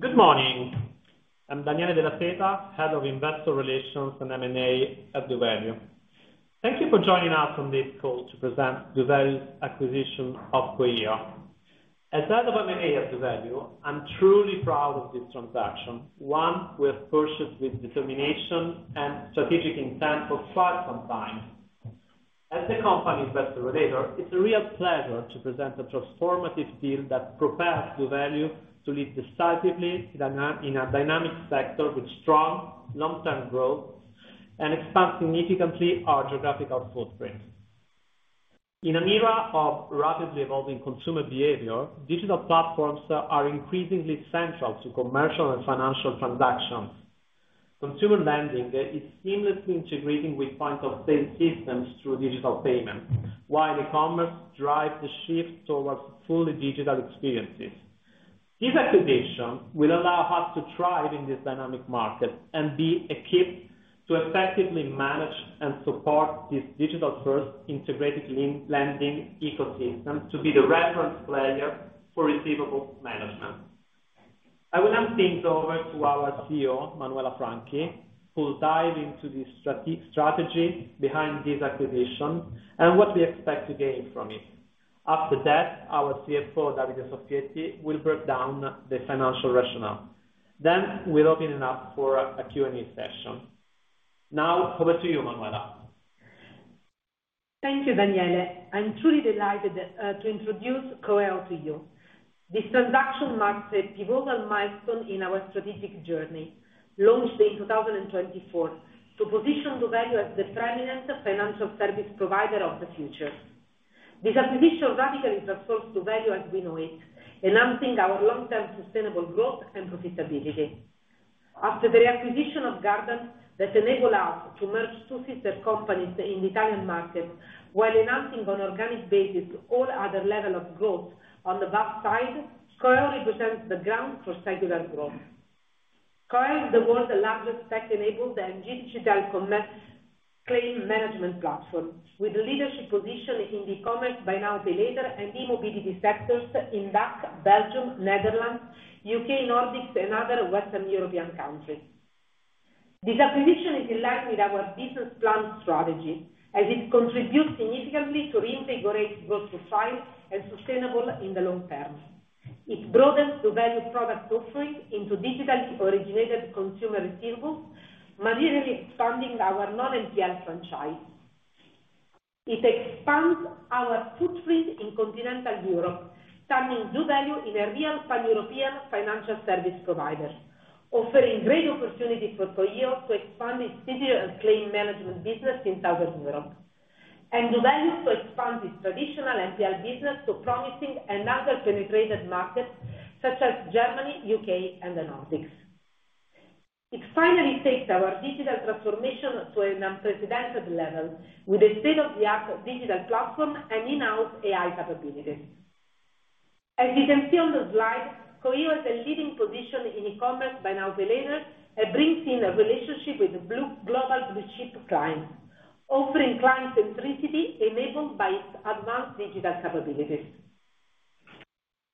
Good morning. I'm Daniele Della Seta, Head of Investor Relations and M&A at doValue. Thank you for joining us on this call to present doValue's acquisition of Queria. As Head of M&A at doValue, I'm truly proud of this transaction, one we have purchased with determination and strategic intent for quite some time. As the company's best relator, it's a real pleasure to present a transformative deal that propels doValue to lead decisively in a dynamic sector with strong long-term growth and expands significantly our geographical footprint. In an era of rapidly evolving consumer behavior, digital platforms are increasingly central to commercial and financial transactions. Consumer lending is seamlessly integrating with point-of-sale systems through digital payments, while e-commerce drives the shift towards fully digital experiences. This acquisition will allow us to thrive in this dynamic market and be equipped to effectively manage and support this digital-first integrated lending ecosystem to be the reference player for receivable management. I will hand things over to our CEO, Manuela Franchi, who will dive into the strategy behind this acquisition and what we expect to gain from it. After that, our CFO, Davide Soffietti, will break down the financial rationale. We'll open it up for a Q&A session. Now, over to you, Manuela. Thank you, Daniele. I'm truly delighted to introduce Queria to you. This transaction marks a pivotal milestone in our strategic journey, launched in 2024, to position doValue as the preeminent financial service provider of the future. This acquisition radically transforms doValue as we know it, enhancing our long-term sustainable growth and profitability. After the reacquisition of Gardant, that enabled us to merge two sister companies in the Italian market, while enhancing on an organic basis all other levels of growth on the Basque side, Queria represents the ground for secular growth. Queria is the world's largest tech-enabled and digital claim management platform, with a leadership position in the e-commerce, buy now, pay later, and e-mobility sectors in the Basque region, Benelux, U.K., Nordics, and other Western European countries. This acquisition is enlightening our business plan strategy, as it contributes significantly to reinvigorate growth profile and sustainability in the long term. It broadens doValue's product offering into digitally originated consumer receivables, materially expanding our non-MTL franchise. It expands our footprint in continental Europe, turning doValue into a real Pan-European financial service provider, offering great opportunities for Queria to expand its digital claim management business in Southern Europe. doValue also expands its traditional MTL business to promising and underpenetrated markets such as Germany, U.K., and the Nordics. It finally takes our digital transformation to an unprecedented level, with a state-of-the-art digital platform and in-house AI capabilities. As you can see on the slide, Queria has a leading position in e-commerce buy now, pay later and brings in a relationship with the global blue-chip clients, offering client centricity enabled by its advanced digital capabilities.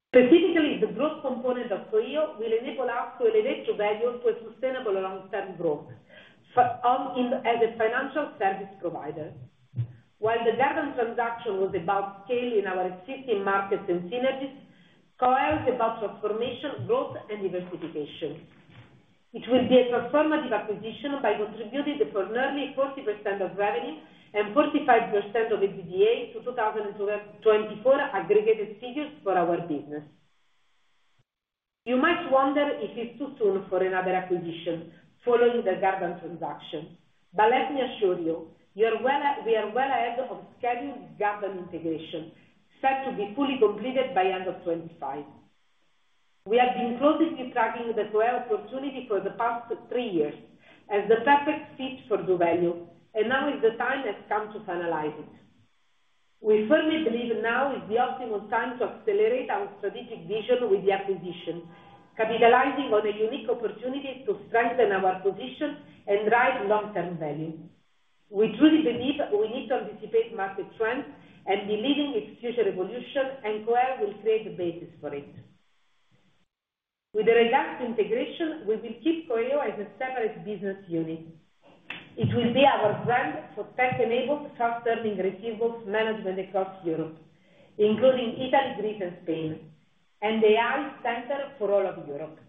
Specifically, the growth component of Queria will enable us to elevate doValue to a sustainable long-term growth as a financial service provider. While the Gardant transaction was about scaling our existing markets and synergies, Queria is about transformation, growth, and diversification. It will be a transformative acquisition by contributing to nearly 40% of revenue and 45% of EBITDA to 2024 aggregated figures for our business. You might wonder if it's too soon for another acquisition following the Gardant transaction, but let me assure you, we are well ahead of schedule in the Gardant integration, set to be fully completed by the end of 2025. We have been closely tracking the Queria opportunity for the past three years as the perfect fit for doValue, and now is the time that has come to finalize it. We firmly believe now is the optimal time to accelerate our strategic vision with the acquisition, capitalizing on a unique opportunity to strengthen our position and drive long-term value. We truly believe we need to anticipate market trends and be leading its future evolution, and Queria will create the basis for it. With regards to integration, we will keep Queria as a separate business unit. It will be our brand for tech-enabled, self-serving receivables management across Europe, including Italy, Greece, and Spain, and the AI center for all of Europe.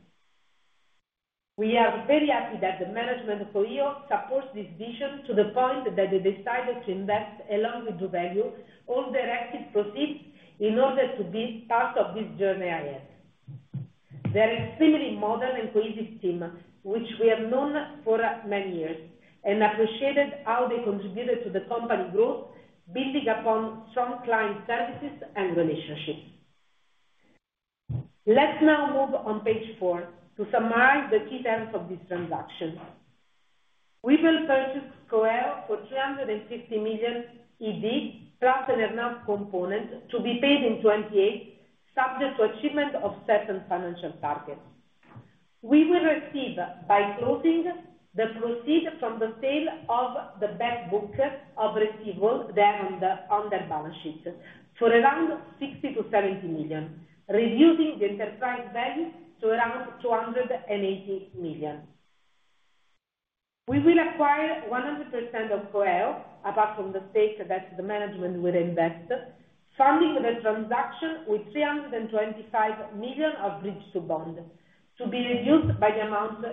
We are very happy that the management of Queria supports this vision to the point that they decided to invest along with doValue all their active proceeds in order to be part of this journey ahead. They are an extremely modern and cohesive team, which we have known for many years and appreciated how they contributed to the company growth, building upon strong client services and relationships. Let's now move on to page four to summarize the key terms of this transaction. We will purchase Queria for 350 million plus an earnout component to be paid in 2028, subject to achievement of certain financial targets. We will receive, by closing, the proceeds from the sale of the back book of receivables that are on the balance sheet for around 60 to 70 million, reducing the enterprise value to around 280 million. We will acquire 100% of Queria, apart from the stake that the management will invest, funding the transaction with 325 million of bridge to bond, to be reduced by the amount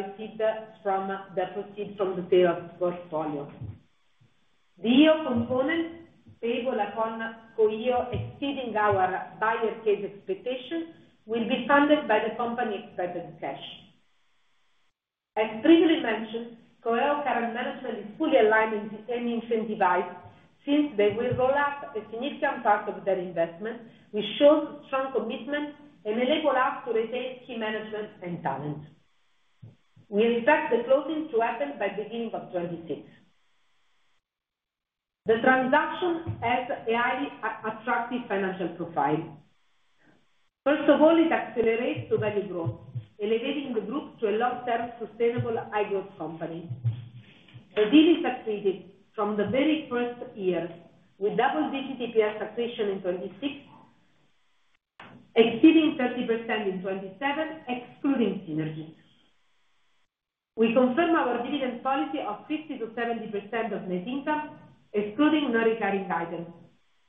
received from the proceeds from the sale of portfolio. The earnout component, payable upon Queria exceeding our buyer's gate expectation, will be funded by the company's vetted cash. As previously mentioned, Queria's current management is fully aligned in the earning center because they will roll out a significant part of their investment, which shows strong commitment and enables us to retain key management and talent. We expect the closing to happen by the end of 2026. The transaction has a highly attractive financial profile. First of all, it accelerates doValue growth, elevating the group to a long-term sustainable IDOs company. A deal is executed from the very first year with double-digit EPS acquisition in 2026, exceeding 30% in 2027, excluding synergy. We confirm our dividend policy of 50% to 70% of net income, excluding non-recurring license,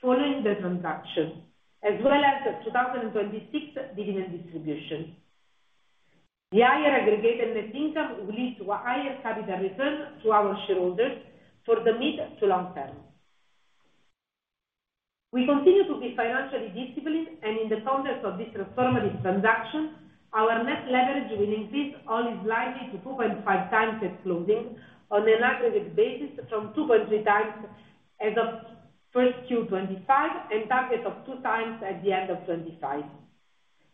following the transaction, as well as 2026 dividend distribution. The higher aggregated net income will lead to a higher capital return to our shareholders for the mid to long term. We continue to be financially disciplined, and in the context of this transformative transaction, our net leverage will increase only slightly to 2.5x at closing on an aggregate basis from 2.3x as of Q1 2025 and a target of 2x at the end of 2025.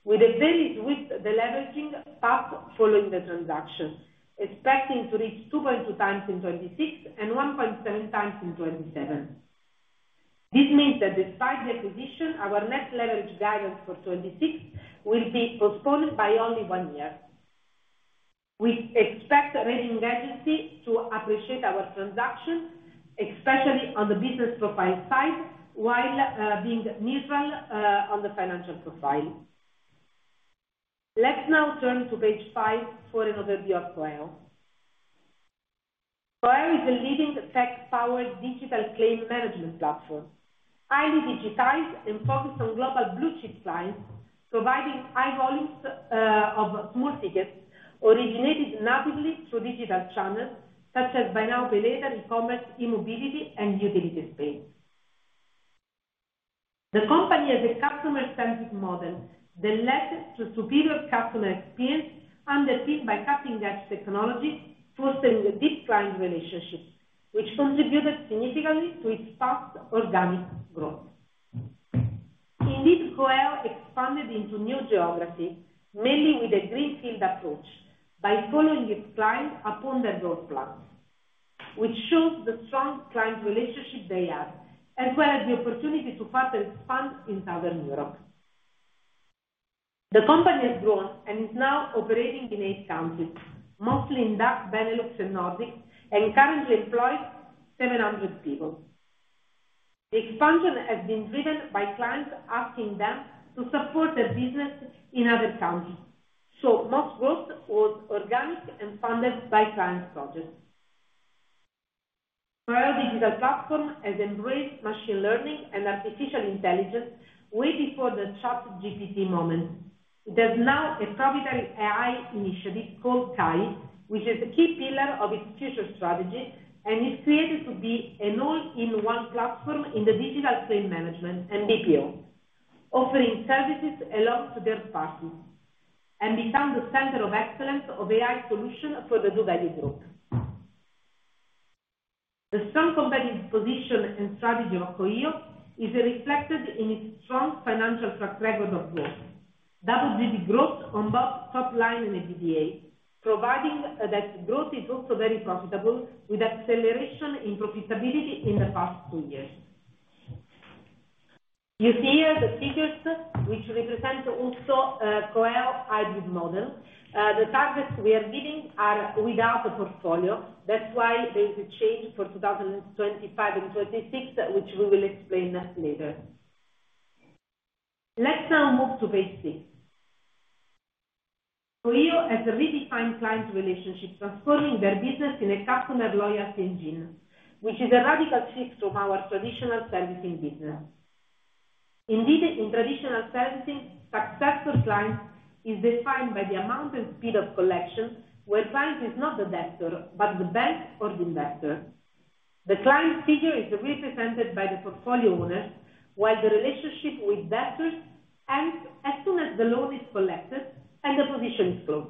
We definitely switched the leveraging path following the transaction, expecting to reach 2.2x in 2026 and 1.7x in 2027. This means that despite the acquisition, our net leverage guidance for 2026 will be postponed by only one year. We expect the rating agency to appreciate our transaction, especially on the business profile side, while being neutral on the financial profile. Let's now turn to page five for an overview of Queria. Queria is a leading tech-powered digital claim management platform, highly digitized and focused on global blue chip clients, providing high volumes of small tickets originated natively through digital channels such as buy now, pay later, e-commerce, e-mobility, and utility space. The company has a customer-centric model, the lesser to superior customer experience, underpinned by cutting-edge technology, fostering a deep client relationship, which contributed significantly to its fast organic growth. Indeed, Queria expanded into new geographies, mainly with a greenfield approach, by following its clients upon their growth plans, which shows the strong client relationship they have, as well as the opportunity to further expand in Southern Europe. The company has grown and is now operating in eight countries, mostly in Basque, Benelux, and Nordics, and currently employs 700 people. The expansion has been driven by clients asking them to support their business in other countries, showing most growth was organic and funded by client projects. Queria's digital platform has embraced machine learning and artificial intelligence way before the ChatGPT moment. It has now a proprietary AI initiative called KAI, which is a key pillar of its future strategy and is created to be an all-in-one platform in the digital claim management, MVPO, offering services along with their partners and becoming the center of excellence of AI solutions for the doValue group. The strong competitive position and strategy of Queria is reflected in its strong financial track record of growth, double-digit growth on both top line and EBITDA, providing that growth is also very profitable, with acceleration in profitability in the past two years. You see here the figures, which represent also Queria's hybrid model. The targets we are giving are without the portfolio. That's why there is a change for 2025 and 2026, which we will explain later. Let's now move to page three. Queria has a redefined client relationship, transforming their business in a customer loyalty engine, which is a radical shift from our traditional servicing business. Indeed, in traditional servicing, success for clients is defined by the amount and speed of collection, where clients are not the debtor, but the bank or the investor. The client figure is represented by the portfolio owners, while the relationship with debtors ends as soon as the loan is collected and the position is closed.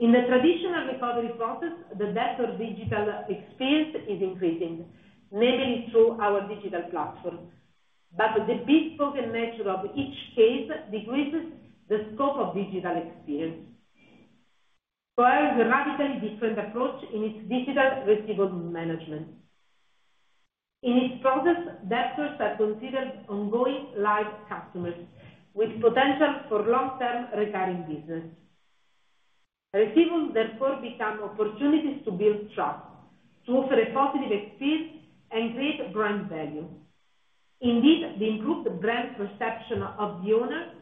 In the traditional recovery process, the debtor's digital experience is increasing, namely through our digital platform, but the bespoken nature of each case decreases the scope of digital experience. Queria has a radically different approach in its digital receivable management. In its process, debtors are considered ongoing live customers with potential for long-term recurring business. Receivables therefore pick up opportunities to build trust, to offer a positive experience, and create brand value. Indeed, the improved brand perception of the owner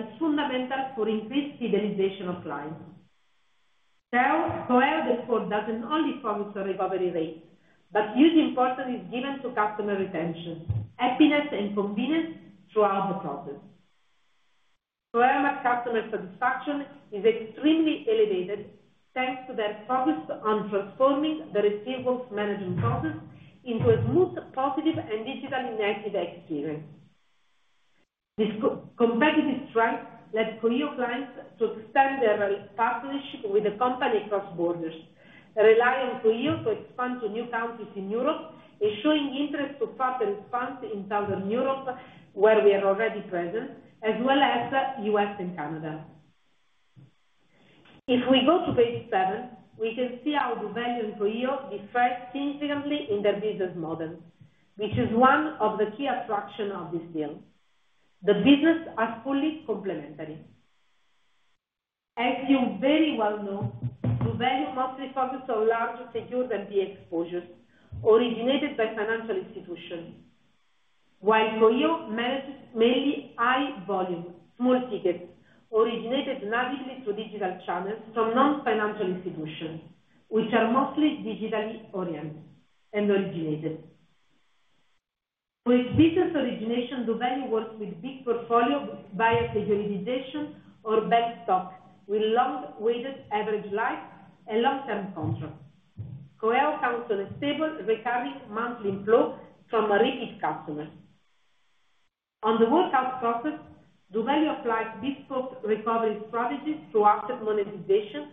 is fundamental for increased fidelization of clients. Queria therefore doesn't only focus on recovery rates, but using the importance given to customer retention, happiness, and convenience throughout the process. Queria's customer satisfaction is extremely elevated thanks to their focus on transforming the receivables management process into a smooth, positive, and digitally native experience. This competitive strength led Queria clients to extend their partnership with the company across borders, relying on Queria to expand to new countries in Europe, and showing interest to further expand in Southern Europe, where we are already present, as well as the U.S. and Canada. If we go to page seven, we can see how doValue and Queria differ significantly in their business model, which is one of the key attractions of this deal. The businesses are fully complementary. As you very well know, doValue mostly focuses on large secure and PA exposures, originated by financial institutions, while Queria manages mainly high volume, small tickets originated natively through digital channels from non-financial institutions, which are mostly digitally oriented and originated. With business origination, doValue works with big portfolio buyer securitization or bank stock, with long weighted average life and long-term control. Queria finds a stable recurring monthly flow from repeat customers. On the workout process, doValue applies bespoke recovery strategies to asset monetization,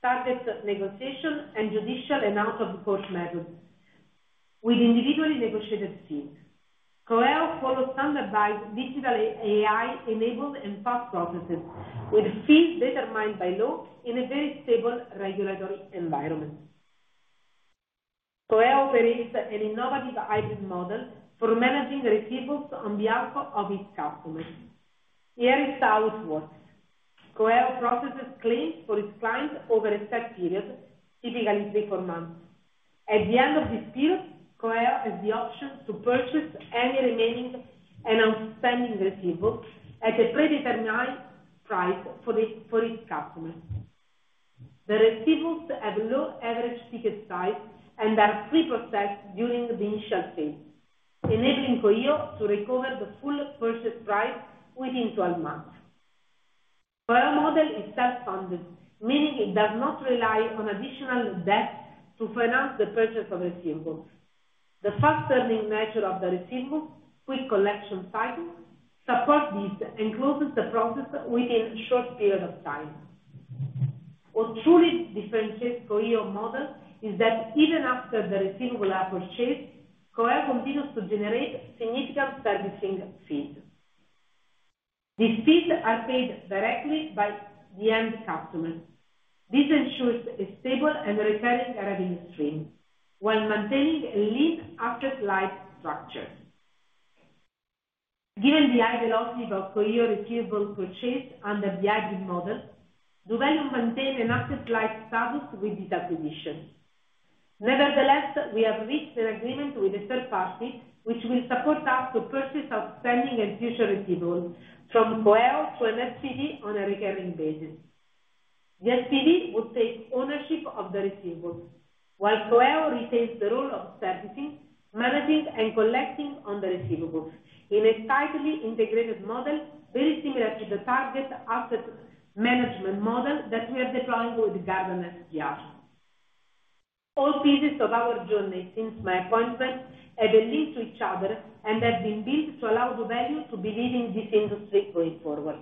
target negotiation, and judicial and out-of-court matters with individually negotiated fees. Queria follows standardized digital AI-enabled and fast processes, with fees determined by law in a very stable regulatory environment. Queria operates an innovative hybrid model for managing receivables on behalf of its customers. Here is how it works. Queria processes claims for its clients over a set period, typically three, four months. At the end of this period, Queria has the option to purchase any remaining and outstanding receivables at a predetermined price for its customers. The receivables have low average ticket size and are free for sale during the initial sale, enabling Queria to recover the full purchase price within 12 months. Queria's model is self-funded, meaning it does not rely on additional debt to finance the purchase of receivables. The fast-earning nature of the receivables, with collection cycles, supports this and closes the process within a short period of time. What truly differentiates Queria's model is that even after the receivable is purchased, Queria continues to generate significant servicing fees. These fees are paid directly by the end customer. This ensures a stable and recurring revenue stream while maintaining a lean after-life structure. Given the high velocity of Queria's receivable purchase under the hybrid model, doValue maintains an after-life status with this acquisition. Nevertheless, we have reached an agreement with a third party, which will support us to purchase outstanding and future receivables from Queria through an SPV on a recurring basis. The SPV will take ownership of the receivables, while Queria retains the role of servicing, managing, and collecting on the receivables in a tightly integrated model, very similar to the target asset management model that we are deploying with the Gardant SDR. All phases of our journey, since my appointment, have a link to each other and have been built to allow doValue to be leading this industry going forward.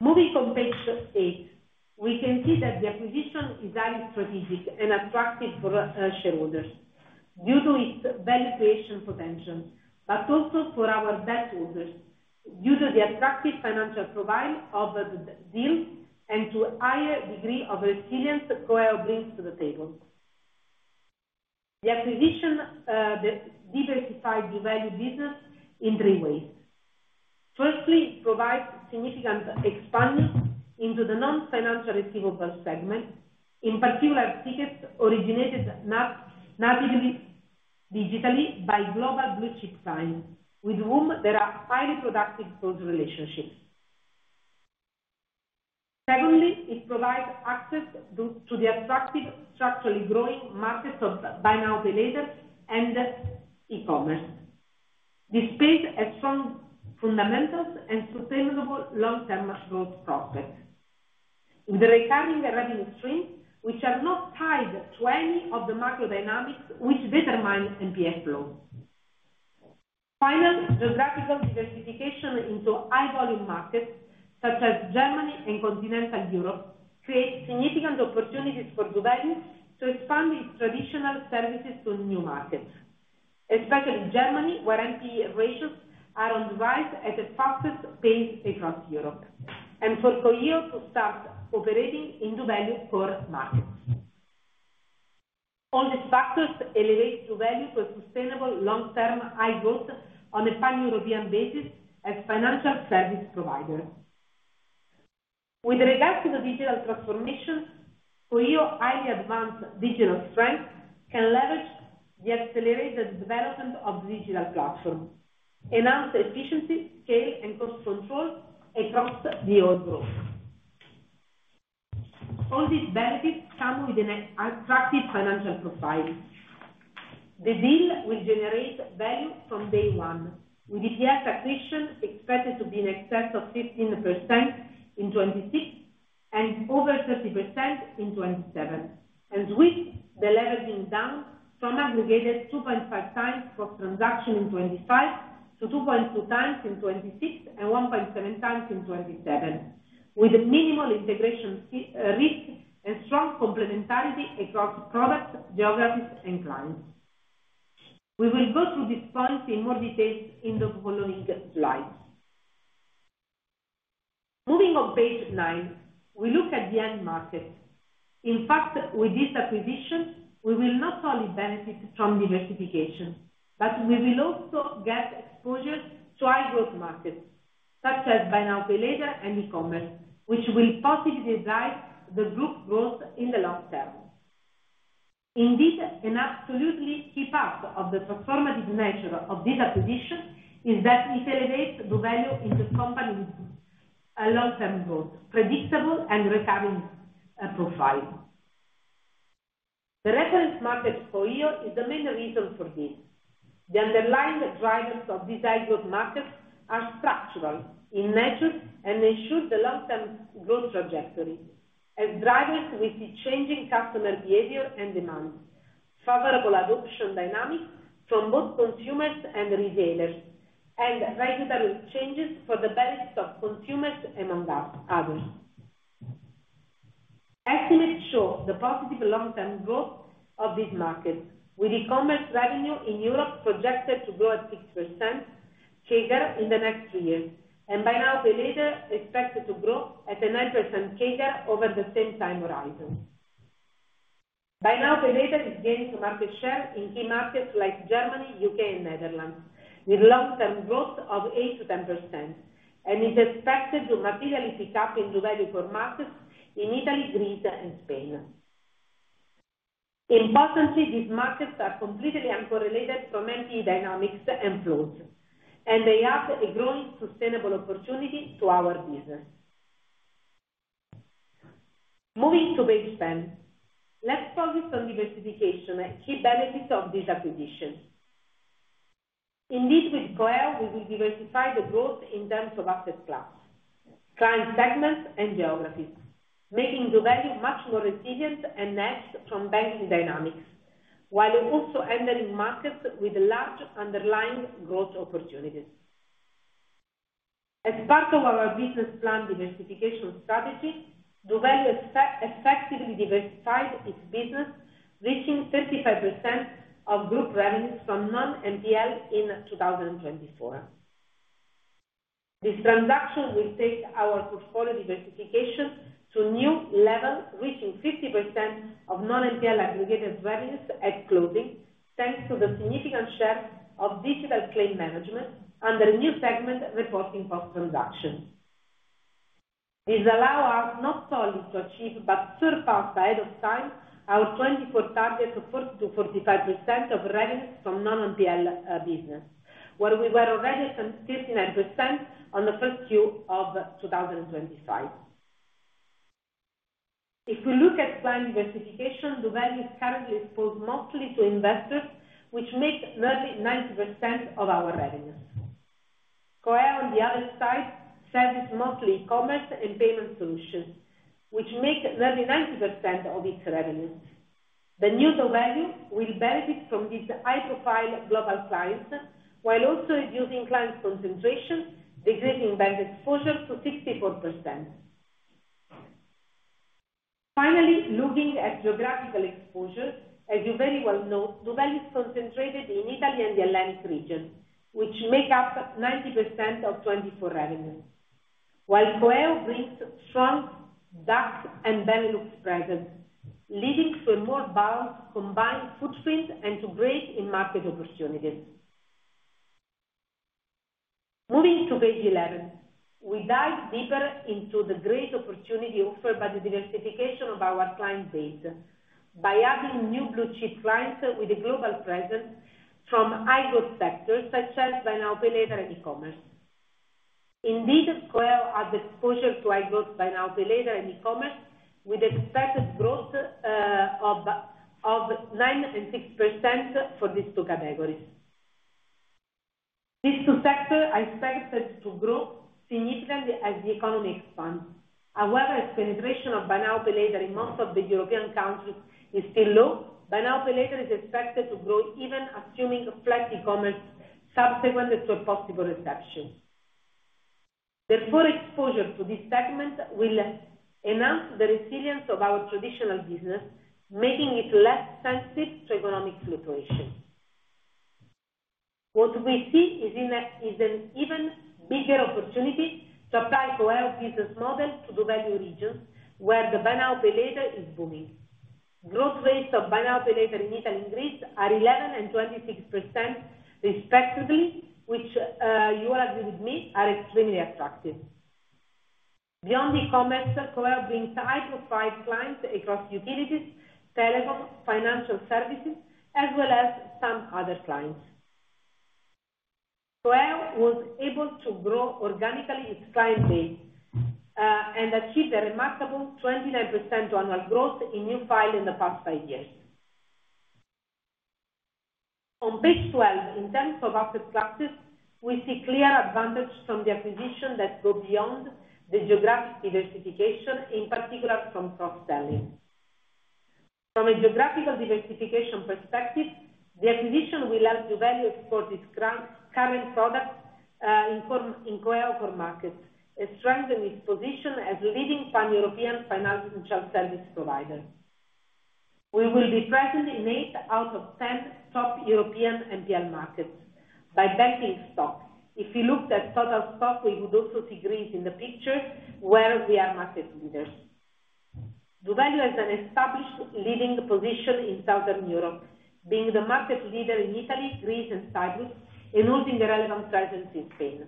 Moving on to page eight, we can see that the acquisition is highly strategic and attractive for shareholders due to its value creation potential, but also for our debt holders due to the attractive financial profile of the deal and to the higher degree of resilience Queria brings to the table. The acquisition diversifies doValue business in three ways. Firstly, it provides significant expansion into the non-financial receivables segment, in particular tickets originated natively digitally by global blue chip clients, with whom there are highly productive close relationships. Secondly, it provides access to the attractive, structurally growing markets of buy now, pay later, and e-commerce. This builds a strong fundamental and sustainable long-term growth project with a recurring revenue stream, which are not tied to any of the macro dynamics which determine MTL flow. Finally, the rapid diversification into high-volume markets such as Germany and continental Europe creates significant opportunities for doValue to expand its traditional services to new markets, especially Germany, where MP ratios are on the rise at the fastest pace across Europe, and for Queria to start operating in doValue's core markets. All these factors elevate doValue to a sustainable long-term high growth on a Pan-European basis as a financial service provider. With regards to the digital transformation, Queria's highly advanced digital strengths can leverage the accelerated development of the digital platform, enhance efficiency, scale, and cost control across the world. All these benefits come with an attractive financial profile. The deal will generate value from day one, with EPS acquisition expected to be in excess of 15% in 2026 and over 30% in 2027, and with the leverage down from aggregated 2.5x for the transaction in 2025 to 2.2x in 2026 and 1.7x in 2027, with minimal integration risk and strong complementarity across products, geographies, and clients. We will go through these points in more detail in the following slides. Moving on page nine, we look at the end market. In fact, with this acquisition, we will not only benefit from diversification, but we will also get exposure to high growth markets such as buy now, pay later, and e-commerce, which will positively drive the group growth in the long term. Indeed, an absolutely key part of the performative nature of this acquisition is that it elevates doValue into a company with a long-term growth, predictable, and recurring profile. The reference market, Queria, is the main reason for this. The underlying drivers of these high growth markets are structural in nature and ensure the long-term growth trajectory as drivers with the changing customer behavior and demand, favorable adoption dynamics from both consumers and retailers, and regulatory changes for the benefit of consumers and others. Estimates show the positive long-term growth of this market, with e-commerce revenue in Europe projected to grow at 6% CAGR in the next two years, and buy now, pay later expected to grow at a 9% CAGR over the same time horizon. Buy now, pay later has gained some market share in key markets like Germany, U.K., and Netherlands, with long-term growth of 8% to 10%, and is expected to materially pick up in doValue core markets in Italy, Greece, and Spain. Importantly, these markets are completely uncorrelated from MTL dynamics and flows, and they add a growing sustainable opportunity to our business. Moving to page 10, let's focus on diversification, a key benefit of this acquisition. Indeed, with Queria, we will diversify the growth in terms of asset class, client segments, and geographies, making doValue much more resilient and niche from banking dynamics, while also entering markets with large underlying growth opportunities. As part of our business plan diversification strategy, doValue has effectively diversified its business, reaching 35% of group revenues from non-MTL in 2024. This transaction will take our portfolio diversification to a new level, reaching 50% of non-MTL aggregated revenues at closing, thanks to the significant share of digital claim management under a new segment reporting post-transaction. This allows us not solely to achieve, but surpass by ahead of time our 2024 target of 40 to 45% of revenue from non-MTL business, where we were already at 59% on the first year of 2025. If we look at client diversification, doValue is currently exposed mostly to investors, which makes 99% of our revenue. Queria, on the other side, services mostly e-commerce and payment solutions, which make 99% of its revenue. The new doValue will benefit from these high-profile global clients, while also reducing client concentration, exerting bank exposure to 64%. Finally, looking at geographical exposure, as you very well know, doValue is concentrated in Italy and the Basque region, which make up 90% of 2024 revenue, while Queria brings strong Basque and Benelux presence, leading to a more balanced combined footprint and to great market opportunities. Moving to page 11, we dive deeper into the great opportunity offered by the diversification of our client base by adding new blue-chip clients with a global presence from high growth sectors such as buy now, pay later, and e-commerce. Indeed, Queria adds exposure to high growth buy now, pay later, and e-commerce, with expected growth of 9% and 6% for these two categories. These two sectors are expected to grow significantly as the economy expands. However, as penetration of buy now, pay later in most of the European countries is still low, buy now, pay later is expected to grow, even assuming flex e-commerce subsequent to a possible reception. The more exposure to this segment will enhance the resilience of our traditional business, making it less sensitive to economic fluctuation. What we see is an even bigger opportunity to apply Queria's business model to doValue regions, where the buy now, pay later is booming. Growth rates of buy now, pay later in Italy and Greece are 11% and 26% respectively, which, you will agree with me, are extremely attractive. Beyond e-commerce, Queria brings high-profile clients across utilities, telecom, financial services, as well as some other clients. Queria was able to grow organically its client base and achieved a remarkable 29% annual growth in new files in the past five years. On page 12, in terms of asset classes, we see clear advantages from the acquisition that go beyond the geographic diversification, in particular from cross-selling. From a geographical diversification perspective, the acquisition will help doValue export its current products in Queria's core market and strengthen its position as a leading Pan-European financial service provider. We will be present in eight out of ten top European MTL markets by banking stock. If we looked at total stock, we would also see Greece in the picture, where we are market leaders. doValue has an established leading position in Southern Europe, being the market leader in Italy, Greece, and Cyprus, and holding the relevant presence in Spain.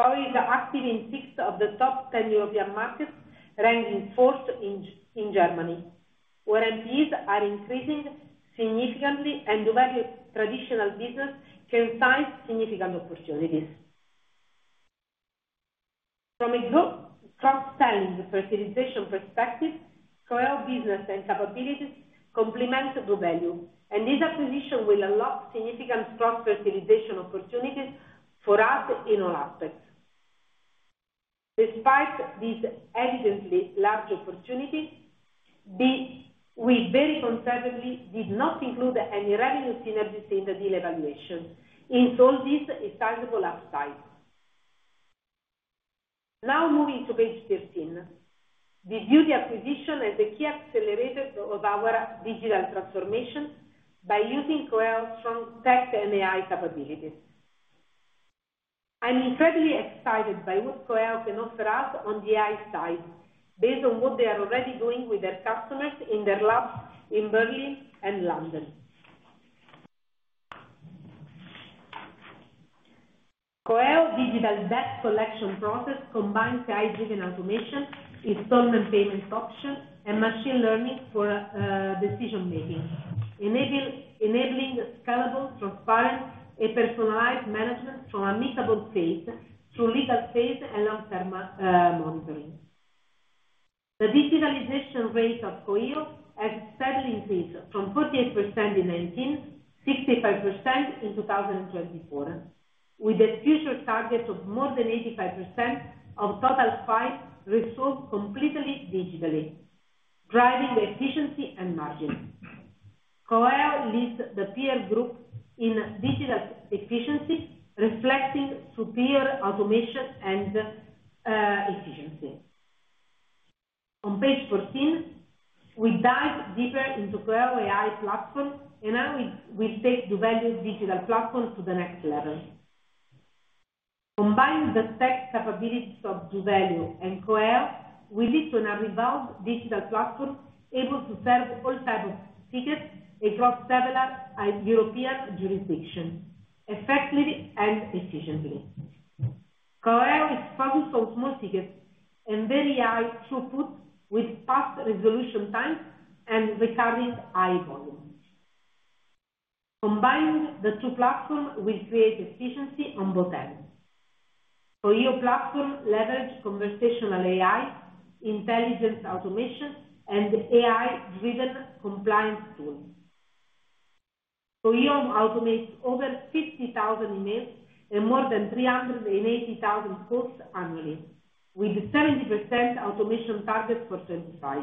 Queria is active in six of the top ten European markets, ranked fourth in Germany, where MTLs are increasing significantly and doValue's traditional business can sign significant opportunities. From a growth cross-selling fertilization perspective, Queria's business and capabilities complement doValue, and this acquisition will unlock significant cross-fertilization opportunities for us in all aspects. Despite this evidently large opportunity, we very conservatively did not include any revenues in existing deal evaluation, and this is a sizable upside. Now moving to page 13, we view the acquisition as a key accelerator of our digital transformation by using Queria's strong tech and AI capabilities. I'm incredibly excited by what Queria can offer us on the AI side, based on what they are already doing with their customers in their labs in Berkeley and London. Queria's digital debt collection process combines AI-driven automation, installment payment options, and machine learning for decision-making, enabling scalable, transparent, and personalized management from amicable phase through legal phase and long-term monitoring. The digitalization rate of Queria has steadily increased from 48% in 2019 to 65% in 2024, with a future target of more than 85% of total files resolved completely digitally, driving efficiency and margin. Queria leads the peer group in digital efficiency, reflecting superior automation and efficiency. On page 14, we dive deeper into Queria's AI platform, and now we take doValue's digital platform to the next level. Combining the tech capabilities of doValue and Queria, we lead to an above digital platform able to serve all types of tickets across several European jurisdictions, effectively and efficiently. Queria is focused on small tickets and very high throughput, with fast resolution times and recurring high volume. Combining the two platforms will create efficiency on both ends. Queria's platform leverages conversational AI, intelligent automation, and AI-driven compliance tools. Queria automates over 50,000 emails and more than 380,000 calls annually, with a 70% automation target for 2025.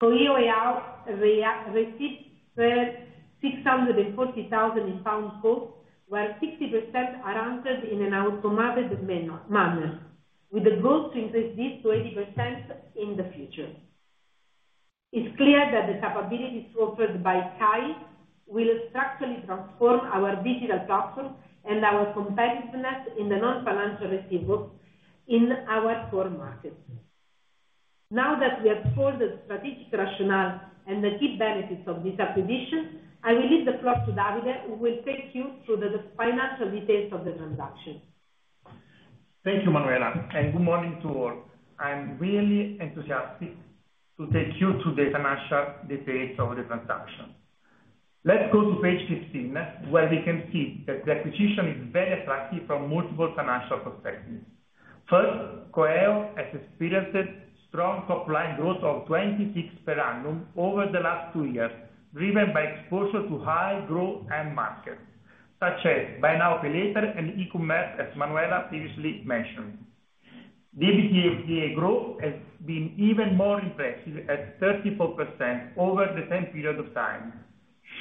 Queria AI receives over 640,000 inbound calls, where 60% are answered in an automated manner, with the goal to increase this to 80% in the future. It's clear that the capabilities offered by KAI will structurally transform our digital platform and our competitiveness in the non-financial receivables in our core market. Now that we have told the strategic rationale and the key benefits of this acquisition, I will leave the floor to Davide, who will take you through the financial details of the transaction. Thank you, Manuela, and good morning to all. I'm really enthusiastic to take you through the international details of the transaction. Let's go to page 15, where we can see that the acquisition is very attractive from multiple financial perspectives. First, Queria has experienced strong top-line growth of 26% per annum over the last two years, driven by exposure to high growth and markets, such as buy now, pay later, and e-commerce, as Manuela previously mentioned. The EBITDA growth has been even more impressive at 34% over the same period of time,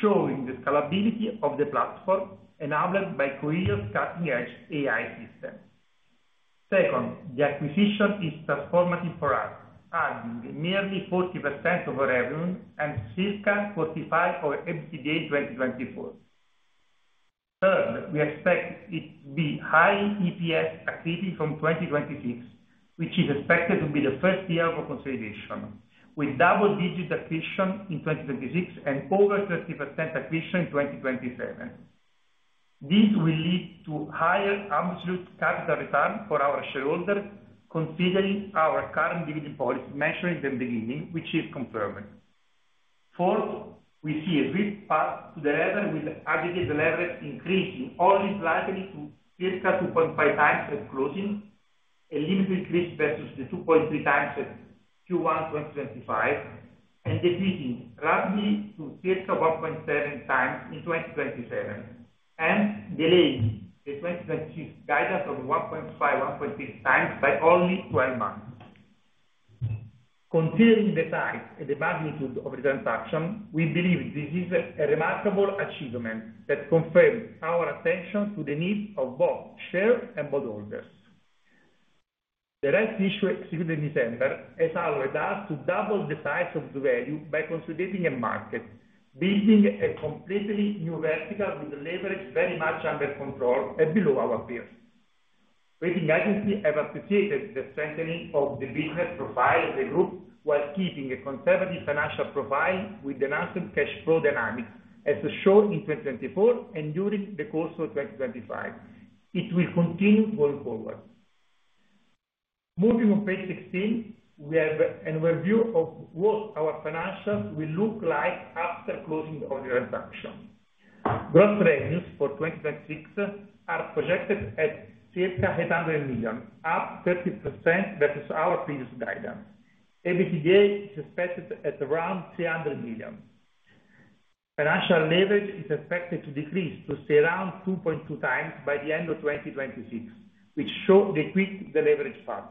showing the scalability of the platform enabled by Queria's cutting-edge AI system. Second, the acquisition is transformative for us, earning nearly 40% of our revenue and shifting 45% over MTL 2024. Third, we expect it to be high EPS acquisition from 2026, which is expected to be the first year of consolidation, with double-digit accretion in 2026 and over 30% accretion in 2027. This will lead to higher absolute capital return for our shareholders, considering our current dividend policy mentioned in the beginning, which is confirmed. Fourth, we see a risk path to the left, as it is the leverage increasing only slightly to circa 2.5x at closing, a little increase versus the 2.3x at Q1 2025, and decreasing rapidly to circa 1.7x in 2027, hence delaying the 2026 guidance of 1.5x to 1.6x by only 12 months. Considering the size and the magnitude of the transaction, we believe this is a remarkable achievement that confirms our attention to the needs of both shareholders and bondholders. The rights issue executed in December has allowed us to double the size of doValue by consolidating a market, building a completely new vertical with the leverage very much under control and below our peers. Rating agencies have appreciated the strengthening of the business profile in the group, while keeping a conservative financial profile with an asset cash flow dynamic, as shown in 2024 and during the course of 2025. It will continue going forward. Moving on page 16, we have an overview of what our financials will look like after closing of the transaction. Gross revenues for 2026 are projected at circa 800 million, up 30% versus our previous guidance. EBITDA is expected at around 300 million. Financial leverage is expected to decrease to around 2.2x by the end of 2026, which should equate the leverage fund.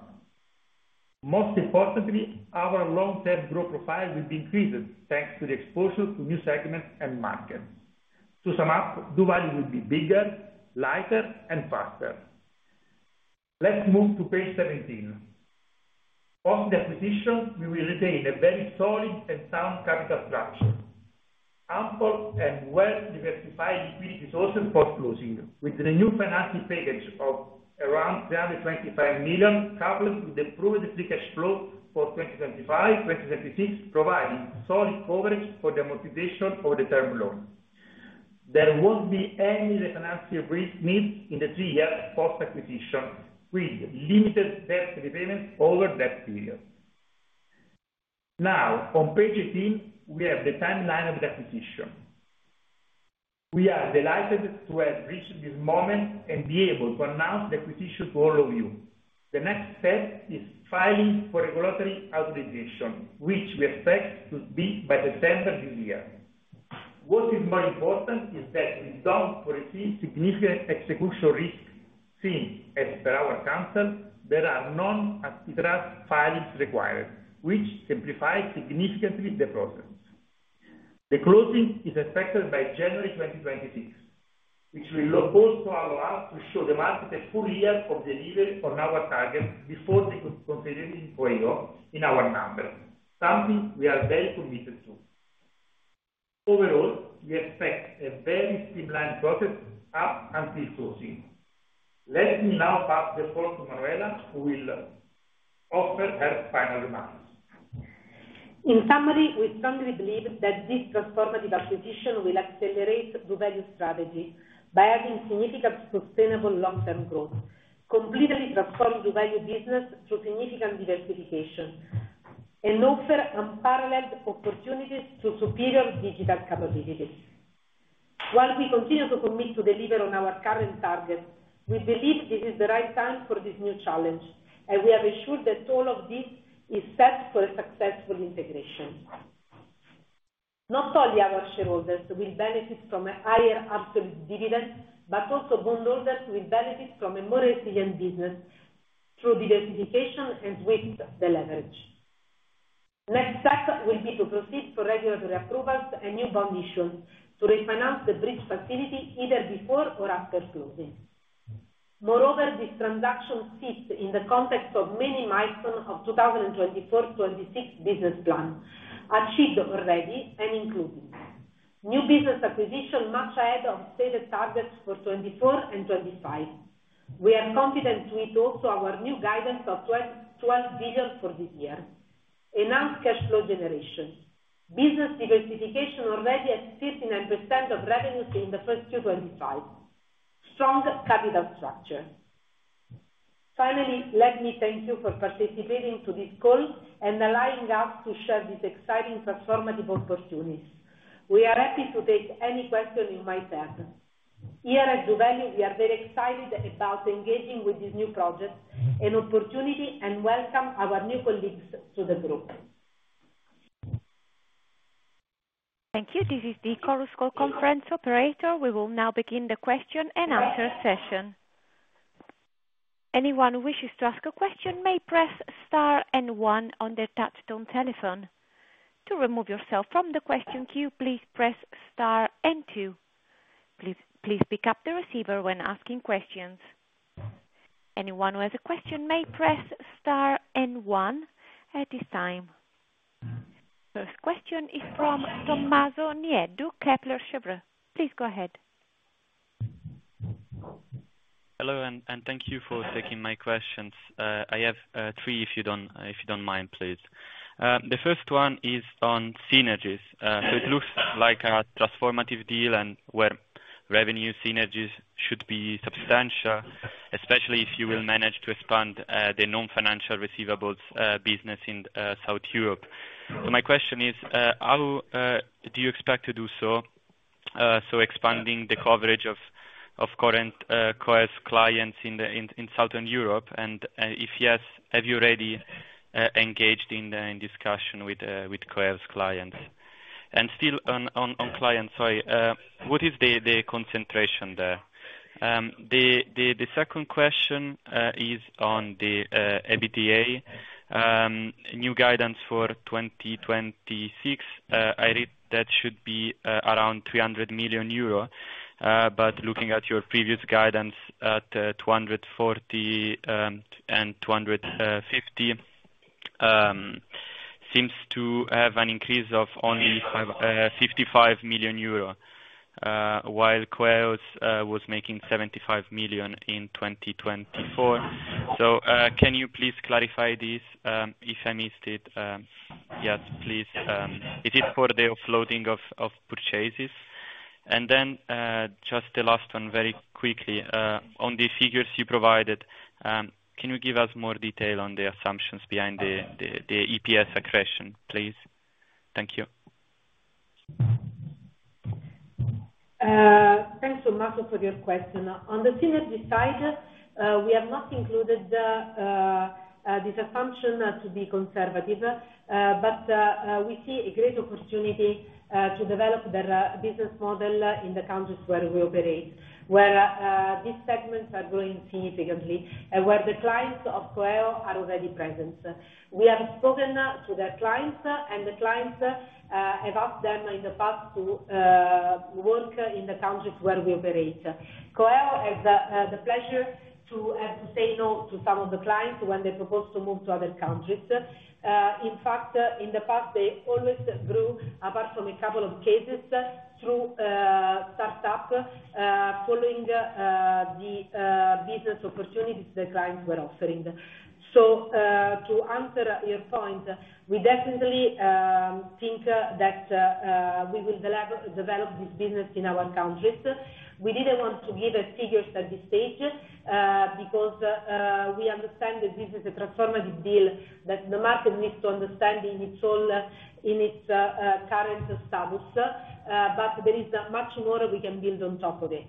Most importantly, our long-term growth profile will be increased thanks to the exposure to new segments and markets. To sum up, doValue will be bigger, lighter, and faster. Let's move to page 17. After the acquisition, we will retain a very solid and sound capital structure. Ample and well-diversified liquidity sources for closing, with a new financing package of around 325 million, coupled with the approved free cash flow for 2025 and 2026, providing solid coverage for the amortization of the term loan. There won't be any refinancing risk needed in the three years post-acquisition, with limited debt repayments over that period. Now, on page 18, we have the timeline of the acquisition. We are delighted to have reached this moment and be able to announce the acquisition to all of you. The next step is filing for regulatory approval, which we expect to be by September this year. What is more important is that we don't foresee significant execution risks, as per our counsel, there are no antitrust filings required, which significantly simplifies the process. The closing is expected by January 2026, which will also allow us to show the market a full year of delivery on our target before reconsidering Queria in our number, something we are very committed to. Overall, we expect a very streamlined process up until closing. Let me now pass the floor to Manuela, who will offer her final remarks. In summary, we strongly believe that this transformative acquisition will accelerate doValue's strategy by adding significant sustainable long-term growth, completely transforming doValue business through significant diversification, and offer unparalleled opportunities through superior digital capabilities. While we continue to commit to deliver on our current targets, we believe this is the right time for this new challenge, and we are assured that all of this is set for a successful integration. Not only our shareholders will benefit from a higher upcoming dividend, but also bondholders will benefit from a more resilient business through diversification and with the leverage. Next step will be to proceed for regulatory approvals and new bond issues to refinance the bridge facility either before or after closing. Moreover, this transaction fits in the context of minimizing the 2024-26 business plan achieved already and including new business acquisition much ahead of stated targets for 2024 and 2025. We are confident with also our new guidance of 12 billion for this year. Enhanced cash flow generation. Business diversification already at 59% of revenue in the first Q2 2025. Strong capital structure. Finally, let me thank you for participating in this call and allowing us to share these exciting transformative opportunities. We are happy to take any question you might have. Here at doValue, we are very excited about engaging with this new project and opportunity and welcome our new colleagues to the group. Thank you. This is the Chorus Call conference operator. We will now begin the question and answer session. Anyone who wishes to ask a question may press star and one on their touchstone telephone. To remove yourself from the question queue, please press star and two. Please pick up the receiver when asking questions. Anyone who has a question may press star and one at this time. First question is from Tommaso Nieddu, Kepler Cheuvreux. Please go ahead. Hello, and thank you for taking my questions. I have three, if you don't mind, please. The first one is on synergies. It looks like a transformative deal where revenue synergies should be substantial, especially if you will manage to expand the non-financial receivables business in South Europe. My question is, how do you expect to do so? Expanding the coverage of current Queria's clients in Southern Europe, and if yes, have you already engaged in discussion with Queria's clients? Still on clients, what is the concentration there? The second question is on the EBITDA, new guidance for 2026. I read that should be around 300 million euro, but looking at your previous guidance at 240 million and 250 million, it seems to have an increase of only 55 million euro, while Queria was making 75 million in 2024. Can you please clarify this? If I missed it, yes, please. Is it for the offloading of purchases? Just the last one, very quickly, on the figures you provided, can you give us more detail on the assumptions behind the EPS accretion, please? Thank you. Thanks, Tommaso, for your question. On the synergy side, we have not included this assumption to be conservative, but we see a great opportunity to develop their business model in the countries where we operate, where these segments are growing significantly and where the clients of Queria are already present. We have spoken to their clients, and the clients have asked them in the past to work in the countries where we operate. Queria has had the pleasure to have to say no to some of the clients when they propose to move to other countries. In fact, in the past, they always grew, apart from a couple of cases, through startups following the business opportunities the clients were offering. To answer your point, we definitely think that we will develop this business in our countries. We didn't want to give figures at this stage because we understand that this is a transformative deal that the market needs to understand in its current status, but there is much more we can build on top of it.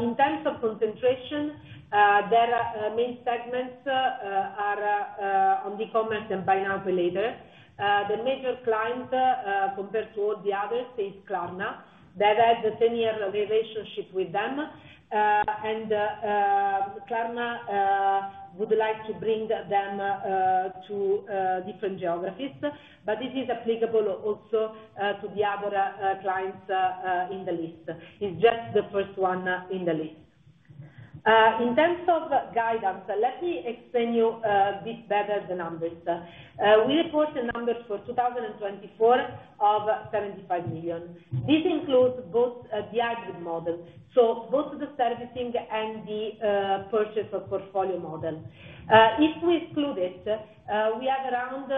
In terms of concentration, their main segments are on the e-commerce and buy now, pay later. The major client compared to all the others is Klarna. They have a 10-year relationship with them, and Klarna would like to bring them to different geographies, but this is applicable also to the other clients in the list. It's just the first one in the list. In terms of guidance, let me explain you a bit better the numbers. We report the numbers for 2024 of 75 million. This includes both the hybrid model, so both the servicing and the purchase of portfolio model. If we exclude it, we have around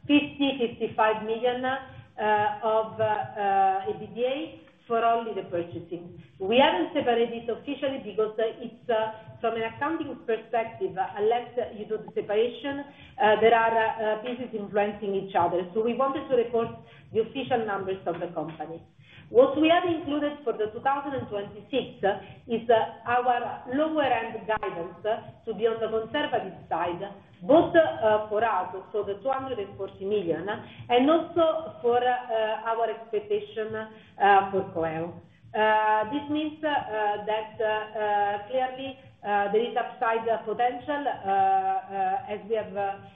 50 million, 55 million of EBITDA for only the purchasing. We haven't separated it officially because it's from an accounting perspective, unless you do the separation, there are pieces influencing each other. We wanted to record the official numbers of the company. What we have included for 2026 is our lower-end guidance to be on the conservative side, both for us, so the 240 million, and also for our expectation for Queria. This means that clearly there is upside potential, as we have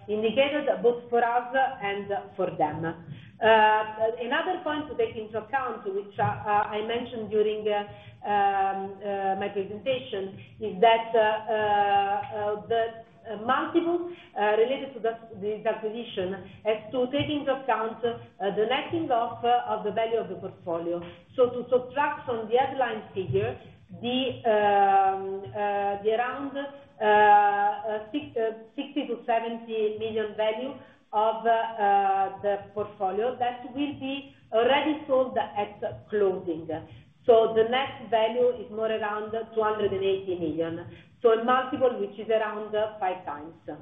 indicated, both for us and for them. Another point to take into account, which I mentioned during my presentation, is that the multiple related to the acquisition has to take into account the netting off of the value of the portfolio. To subtract from the headline figure, the around 60 million-70 million value of the portfolio that will be already sold at closing. The net value is more around 280 million. A multiple, which is around 5x.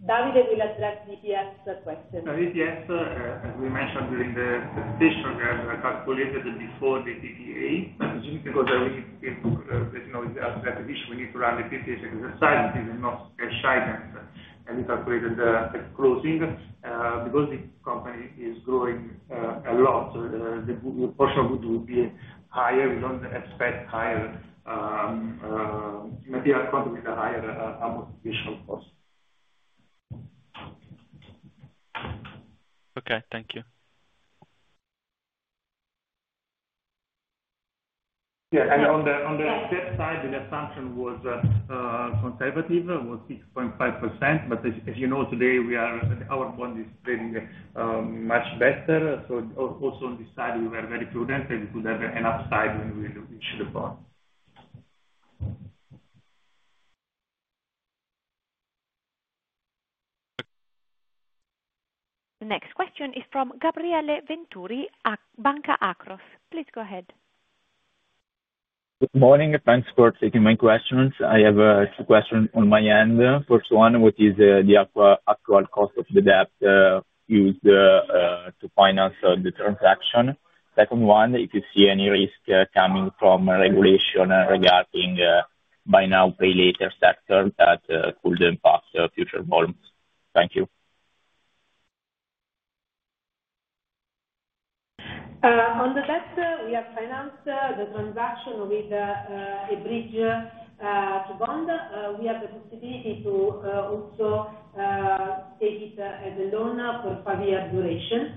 Davide, I will address the EPS question. EPS, as we mentioned during the discussion, we calculated before the PPA. We need to run a PPA exercise in the most shy terms. We calculated the closing because the company is growing a lot. The portion of goods would be higher. We don't expect higher material content with a higher amortization cost. Okay, thank you. On the asset side, the assumption was conservative, was 6.5%. As you know, today our bond is trading much better. Also on this side, we were very prudent and we could have an upside when we should have gone. The next question is from Gabriele Venturi at Banca Akros. Please go ahead. Good morning. Thanks for taking my questions. I have two questions on my end. First one, what is the actual cost of the debt used to finance the transaction? Second one, if you see any risk coming from regulation regarding buy now, pay later sector that could impact future bonds. Thank you. On the first, we have financed the transaction with a bridge to bond. We have the possibility to also take it as a loan for quite a duration.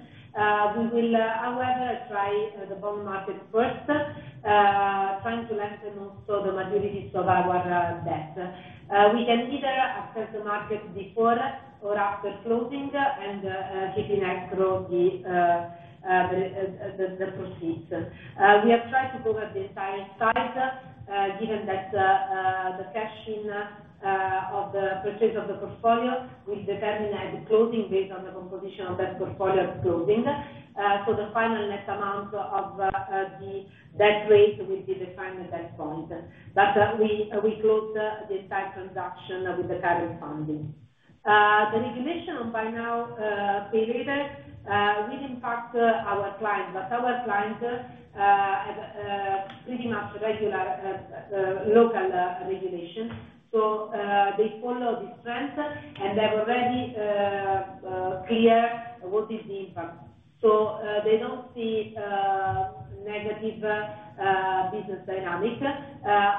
We will, however, try the bond market first, trying to lessen also the majority of our debt. We can either assess the market before or after closing and keeping escrow the proceeds. We have tried to cover the entire size, given that the cash in of the purchase of the portfolio will determine at the closing based on the composition of that portfolio at closing. The final net amount of the debt rate will be defined at that point. We close the entire transaction with the current funding. The recognition of buy now, pay later will impact our clients. Our clients have pretty much regular local regulations. They follow the strengths, and they have already clear what is the impact. They don't see negative business dynamics.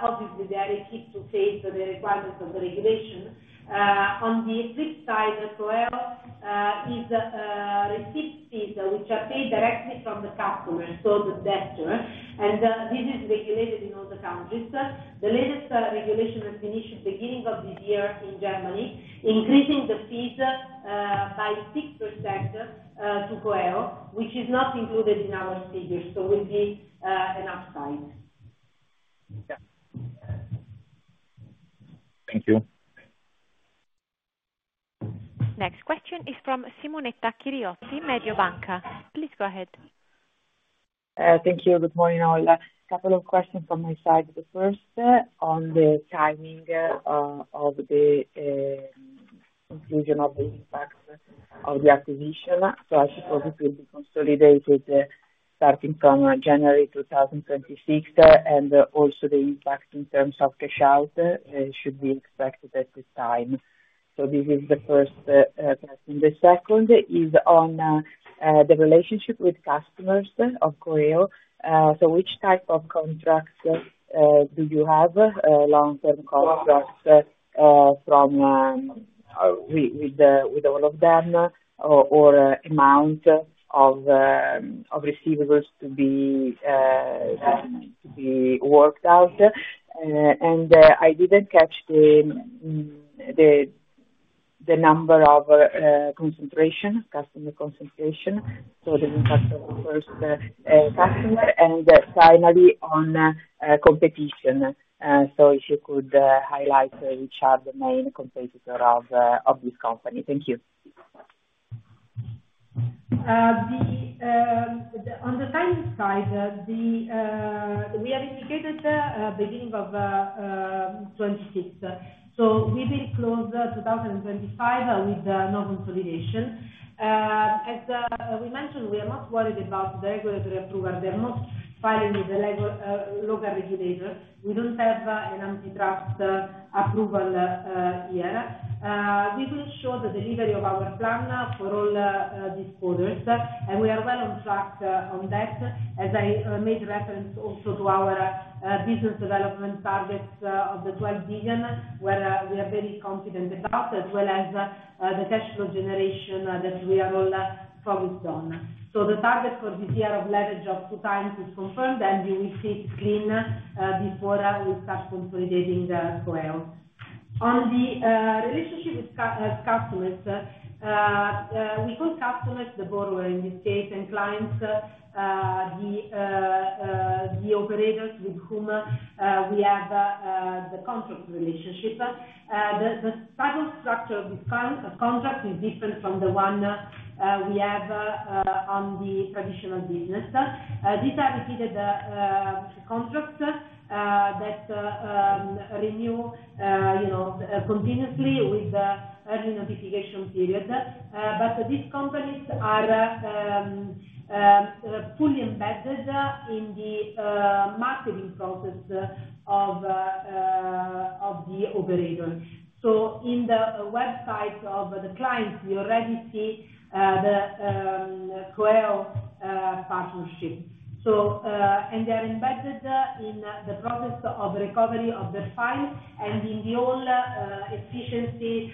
Obviously, they are equipped to take the requirements of the regulation. On the flip side, Queria is receiving fees which are paid directly from the customers, so the debtor. This is regulated in all the countries. The latest regulation has been issued at the beginning of this year in Germany, increasing the fees by 6% to Queria, which is not included in our figures, so we see enough time. Thank you. Next question is from Simonetta Chiriotti, Mediobanca. Please go ahead. Thank you. Good morning, Manuela. A couple of questions from my side. The first, on the timing of the conclusion of the impact of the acquisition. As you told me, it will be consolidated starting from January 2026, and the impact in terms of cash out should be expected at this time. This is the first question. The second is on the relationship with customers of Queria. Which type of contracts do you have? Long-term contracts with all of them, or amount of receivables to be worked out? I didn't catch the number of customer concentration, the impact of the first customer. Finally, on competition, if you could highlight which are the main competitors of this company. Thank you. On the timing side, we have indicated the beginning of 2026. We will close 2025 with no consolidation. As we mentioned, we are not worried about the regulatory approval. They're not filing with the local regulator. We don't have an antitrust approval here. We will show the delivery of our plan for all these quarters, and we are well on track on that. As I made reference also to our business development targets of the 12 billion, where we are very confident about, as well as the cash flow generation that we are all promised on. The targets for this year of leverage are 2x to confirm, and we will see it clean before we start consolidating Queria. On the relationship with customers, we call customers the borrower in this case, and clients the operators with whom we have the contract relationship. The total structure of this contract is different from the one we have on the traditional business. These are repeated contracts that renew continuously with early notification periods. These companies are fully embedded in the marketing process of the operator. In the website of the clients, we already see the Queria partnership, and they are embedded in the process of recovery of the file and in the whole efficiency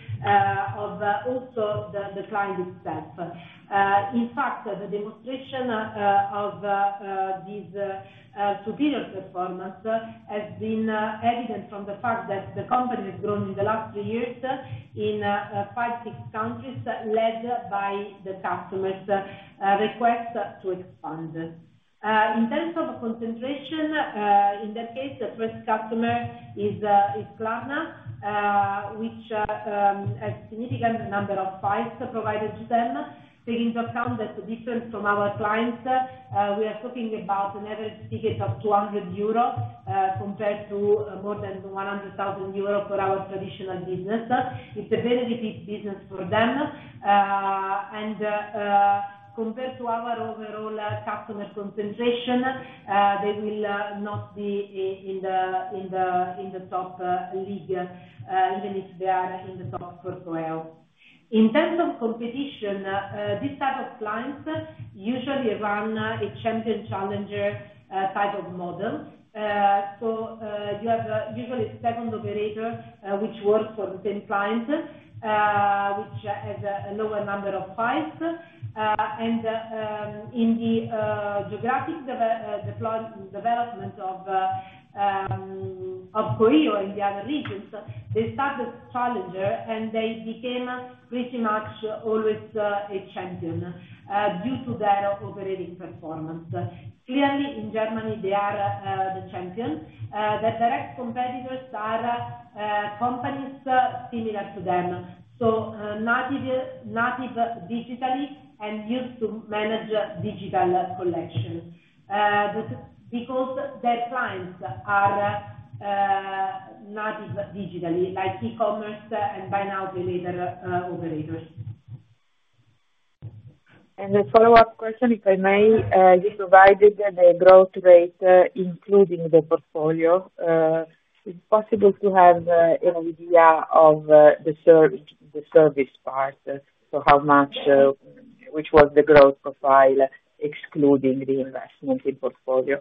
of also the client itself. In fact, the demonstration of this superior performance has been evident from the fact that the company has grown in the last three years in five, six countries, led by the customers' request to expand. In terms of concentration, in that case, the first customer is Klarna, which has a significant number of files provided to them. Taking into account that, to differ from our clients, we are talking about another ticket of 200 euro compared to more than 100,000 euro for our traditional business. It's a very big business for them. Compared to our overall customer concentration, they will not be in the top league, even if they are in the top for Queria. In terms of competition, this type of clients usually run a champion-challenger type of model. You have usually a second operator, which works for the same client, which has a lower number of files. In the geographic development of Queria in the other regions, they started challengers, and they became pretty much always a champion due to their operating performance. Clearly, in Germany, they are the champion. Their direct competitors are companies similar to them, so native digitally and used to manage digital collection, because their clients are native digitally, like e-commerce and buy now, pay later operators. I just provided the growth rate, including the portfolio. Is it possible to have an idea of the service part? How much, which was the growth profile, excluding reinvestment in portfolio?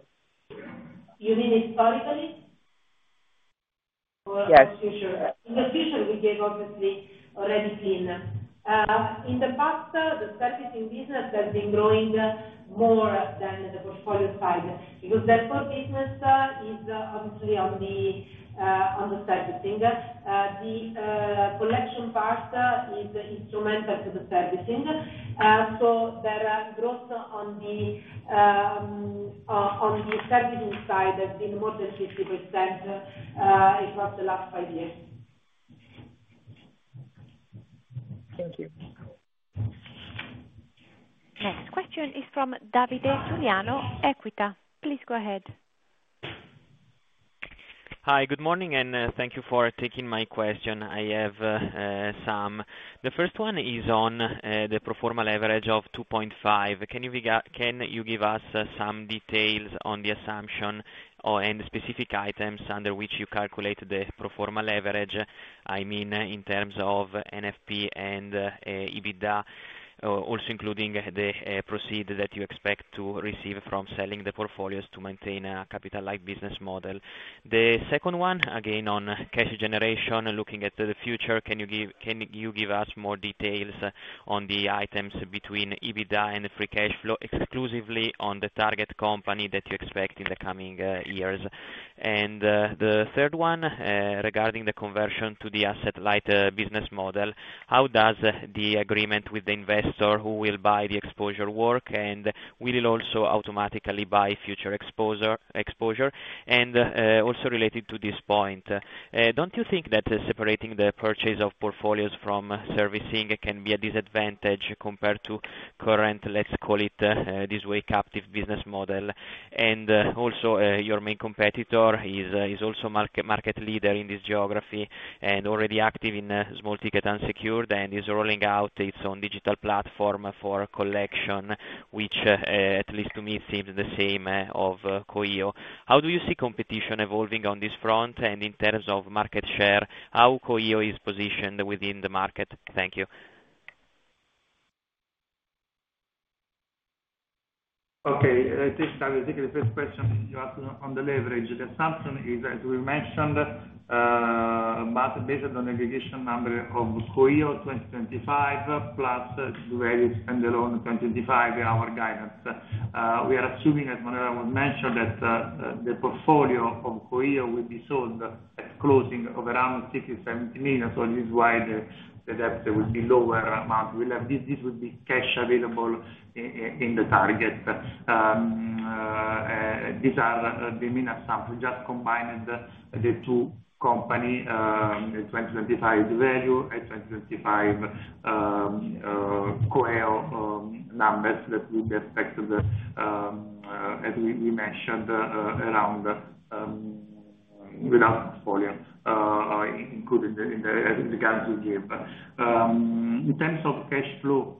You mean historically? Yes, historically. In the future, we have obviously already seen in the past, the purchasing business has been growing more than the portfolio side, because the core business is obviously on the servicing. The collection part is instrumental to the servicing. There is growth on the servicing side that's been more than 50% in the last five years. Thank you. Next question is from Davide Giuliano, Equita. Please go ahead. Hi. Good morning, and thank you for taking my question. I have some. The first one is on the pro forma leverage of 2.5. Can you give us some details on the assumption and the specific items under which you calculate the pro forma leverage? I mean, in terms of NFP and EBITDA, also including the proceeds that you expect to receive from selling the portfolios to maintain a capital-like business model. The second one, again, on cash generation, looking at the future, can you give us more details on the items between EBITDA and free cash flow, exclusively on the target company that you expect in the coming years? The third one, regarding the conversion to the asset-like business model, how does the agreement with the investor who will buy the exposure work, and will it also automatically buy future exposure? Also related to this point, don't you think that separating the purchase of portfolios from servicing can be a disadvantage compared to current, let's call it this way, captive business model? Your main competitor is also a market leader in this geography and already active in small ticket unsecured and is rolling out its own digital platform for collection, which at least to me seems the same as Queria. How do you see competition evolving on this front? In terms of market share, how Queria is positioned within the market? Thank you. Okay. I think the first question you asked on the leverage. The assumption is, as we mentioned, but based on the delegation number of Queria 2025, plus the various standalone 2025, our guidance. We are assuming, as Manuela mentioned, that the portfolio of Queria will be sold closing of around 60 million, 70 million. This is why the debt will be lower amount. This would be cash available in the target. These are the minus parts. We just combined the two companies in the 2025 doValue and 2025 Queria numbers that we expected, as we mentioned, around with our portfolio, including in the guidance we gave. In terms of cash flow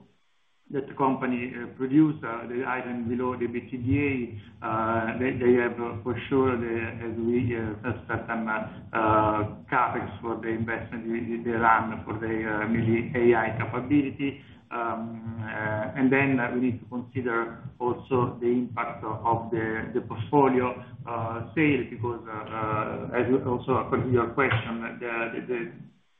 that the company produces, the items below the EBITDA, they have for sure a really certain CapEx for the investment we did, the RAM for the AI capability. We need to consider also the impact of the portfolio sales, because as we also answered your question, the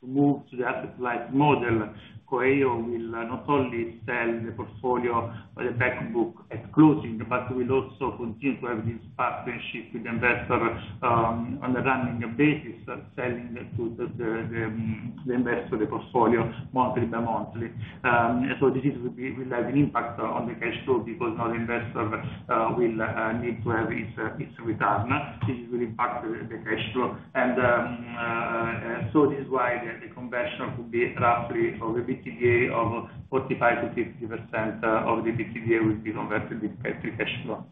move to the asset-like model, Queria will not only sell the portfolio on the back book at closing, but will also continue to have this partnership with the investor on a running basis, selling to the investor the portfolio monthly, bi-monthly. This will have an impact on the cash flow, because another investor will need to have its return, which will impact the cash flow. This is why the conversion could be roughly of EBITDA of 45%-50% of the EBITDA will be converted in cash flow.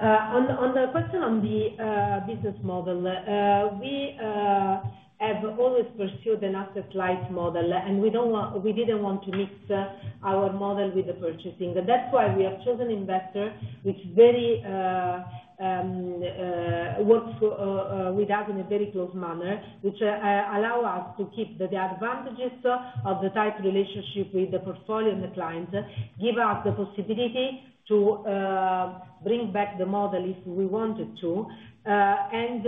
On the question on the business model, we have always pursued an asset-like model, and we didn't want to mix our model with the purchasing. That's why we have chosen an investor which works with us in a very close manner, which allows us to keep the advantages of the tight relationship with the portfolio and the client, giving us the possibility to bring back the model if we wanted to, and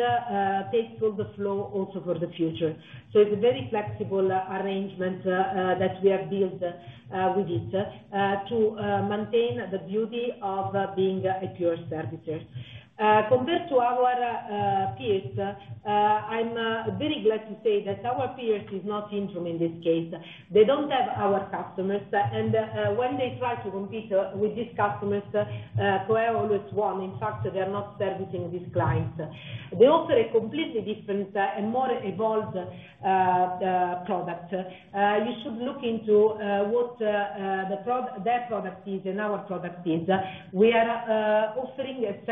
take through the flow also for the future. It's a very flexible arrangement that we have built with it to maintain the beauty of being a pure servicer. Compared to our peers, I'm very glad to say that our peers are not interested in this case. They don't have our customers. When they try to compete with these customers, Queria always won. In fact, they are not servicing these clients. They offer a completely different and more evolved product. You should look into what their product is and our product is. We are offering a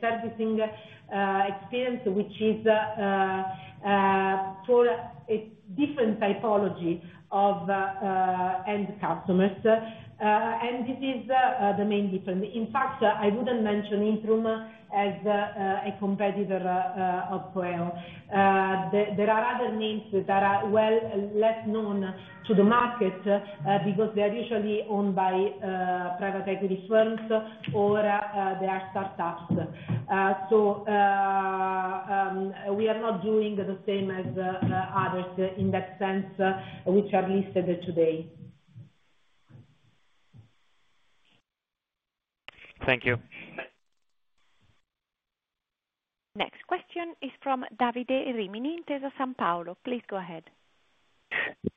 servicing experience which is for a different typology of end customers. This is the main difference. In fact, I wouldn't mention Interim as a competitor of Queria. There are other names that are well less known to the market because they are usually owned by private equity firms or they are startups. We are not doing the same as others in that sense which are listed today. Thank you. Next question is from Davide Rimini in Intesa Sanpaolo. Please go ahead.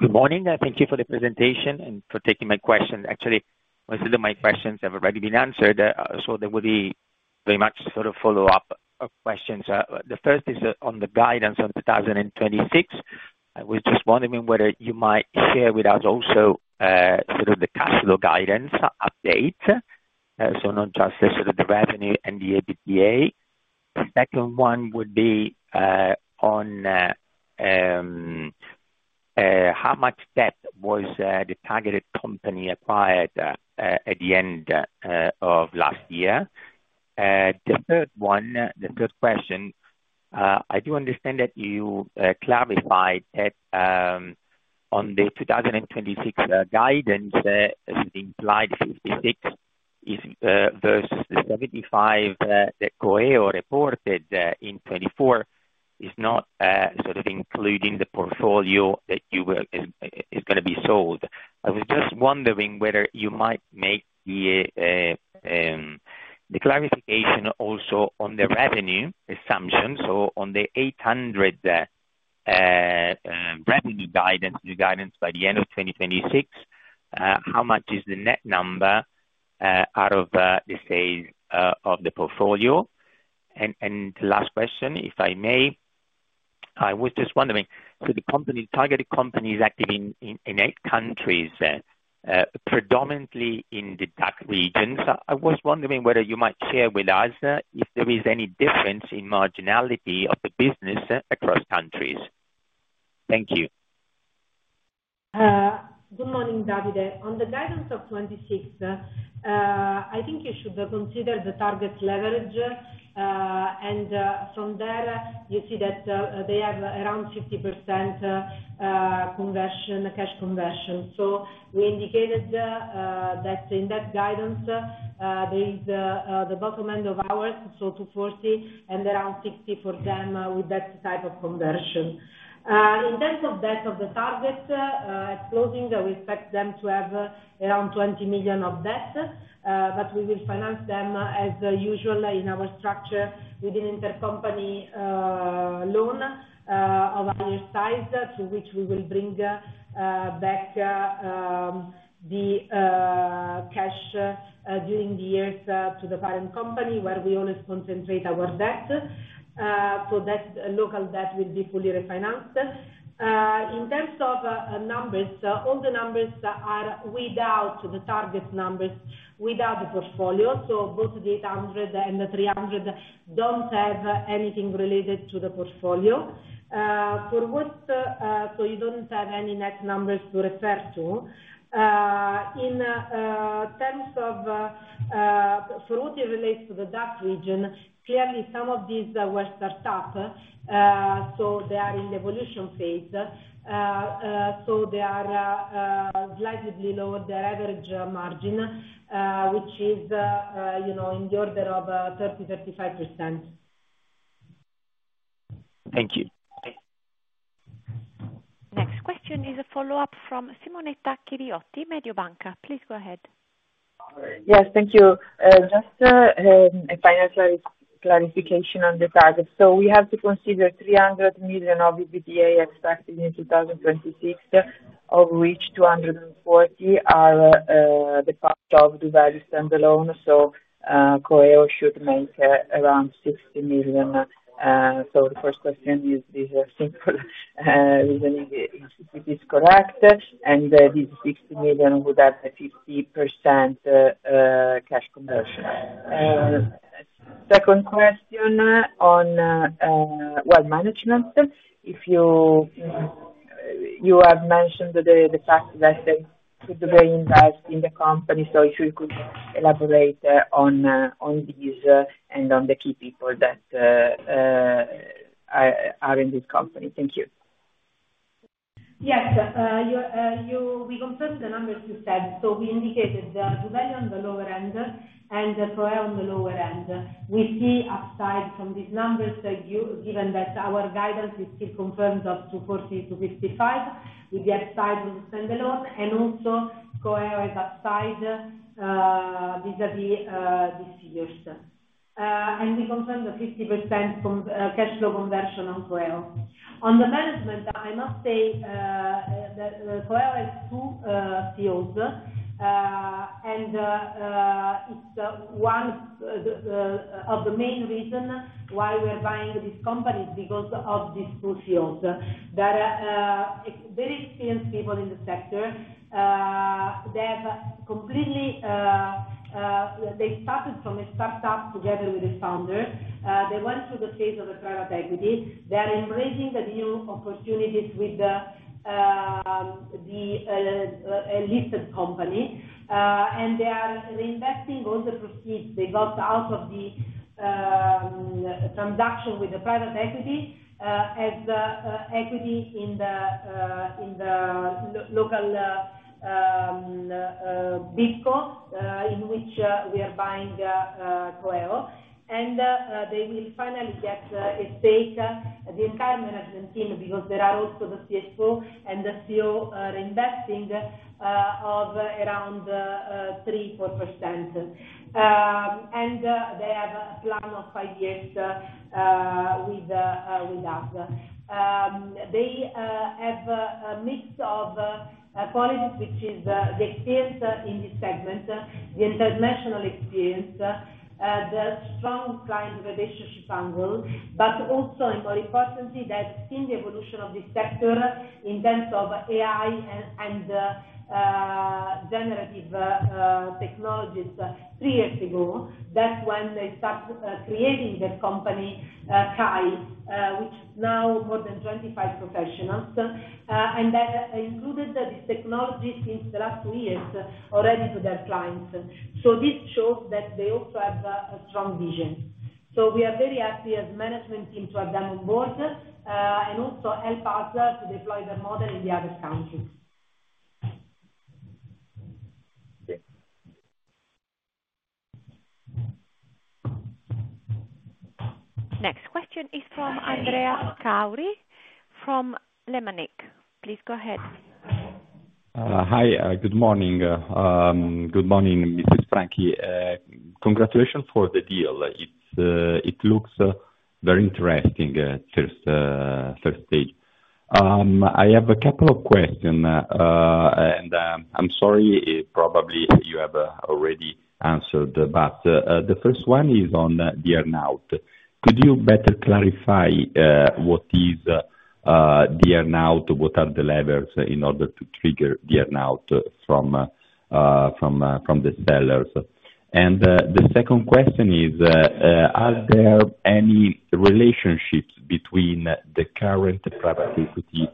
Good morning. Thank you for the presentation and for taking my question. Actually, most of my questions have already been answered. There will be very much sort of follow-up questions. The first is on the guidance on 2026. I was just wondering whether you might share with us also sort of the cash flow guidance update, not just sort of the revenue and the EBITDA. The second one would be on how much debt was the targeted company acquired at the end of last year. The third question, I do understand that you clarified that on the 2026 guidance, the implied 56 versus the 75 that Queria reported in 2024 is not sort of including the portfolio that is going to be sold. I was just wondering whether you might make the clarification also on the revenue assumption. On the 800 revenue guidance by the end of 2026, how much is the net number out of the size of the portfolio? The last question, if I may, I was just wondering, the targeted company is active in eight countries, predominantly in the DACH regions. I was wondering whether you might share with us if there is any difference in marginality of the business across countries. Thank you. Good morning, Davide. On the guidance of 2026, I think you should consider the target leverage. From there, you see that they have around 50% cash conversion. We indicated that in that guidance, there is the bottom end of ours, so 240 and around 60 for them with that type of conversion. In terms of debt of the target, at closing, we expect them to have around 20 million of debt. We will finance them as usual in our structure with an intercompany loan of a higher size, to which we will bring back the cash during the years to the parent company, where we always concentrate our debt. That local debt will be fully refinanced. In terms of numbers, all the numbers are without the target numbers without the portfolio. Both the 800 and the 300 don't have anything related to the portfolio. For what it relates to the DACH region, clearly, some of these were startups, so they are in the evolution phase. They are slightly below the average margin, which is in the order of 30%-35%. Thank you. Next question is a follow-up from Simonetta Chiriotti, Mediobanca. Please go ahead. Yes, thank you. Just a final clarification on the target. We have to consider 300 million of EBITDA expected in 2026, of which 240 million are the part of the various standalone. Queria should make around 60 million. The first question is simple. Reasoning is correct, and these 60 million would have a 50% cash conversion. Second question on management. You have mentioned the fact that they are very invested in the company. If you could elaborate on these and on the key people that are in this company. Thank you. Yes, we confirmed the numbers you said. We indicated that doValue on the lower end and Queria on the lower end. We see upside from these numbers given that our guidance is still confirmed up to 40 million-55 million with the upside on standalone. Queria is upside vis-à-vis these figures. We confirmed the 50% cash flow conversion on Queria. On the management, I must say Queria has two CEOs. It's one of the main reasons why we're buying these companies, because of these two CEOs. They're very experienced people in the sector. They have completely started from a startup together with the founder. They went through the phase of the private equity. They are embracing the new opportunities with the listed company. They are reinvesting both the proceeds they got out of the transaction with the private equity and equity in the local BISCO, in which we are buying Queria. They will finally get a stake in the entire management team because there are also the CFO and the CEO reinvesting. of around 3%-4%. They have a plan of five years with us. They have a mix of qualities, which is the experience in this segment, the international experience, the strong client relationship angle, but also employee personally. They've seen the evolution of this sector in terms of AI and generative technologies. Three years ago, that's when they started creating this company, KAI, which is now more than 25 professionals, and they've included these technologies since the last two years already to their clients. This shows that they also have a strong vision. We are very happy as a management team to have them on board and also help us to deploy their model in the other countries. Next question is from Andrea Scauri from Lemanik. Please go ahead. Hi. Good morning. Good morning Ms. Franchi. Congratulations for the deal. It looks very interesting, first stage. I have a couple of questions, and I'm sorry. Probably you have already answered, but the first one is on the earnout. Could you better clarify what is the earnout? What are the levers in order to trigger the earnout from the sellers? The second question is, are there any relationships between the current private equity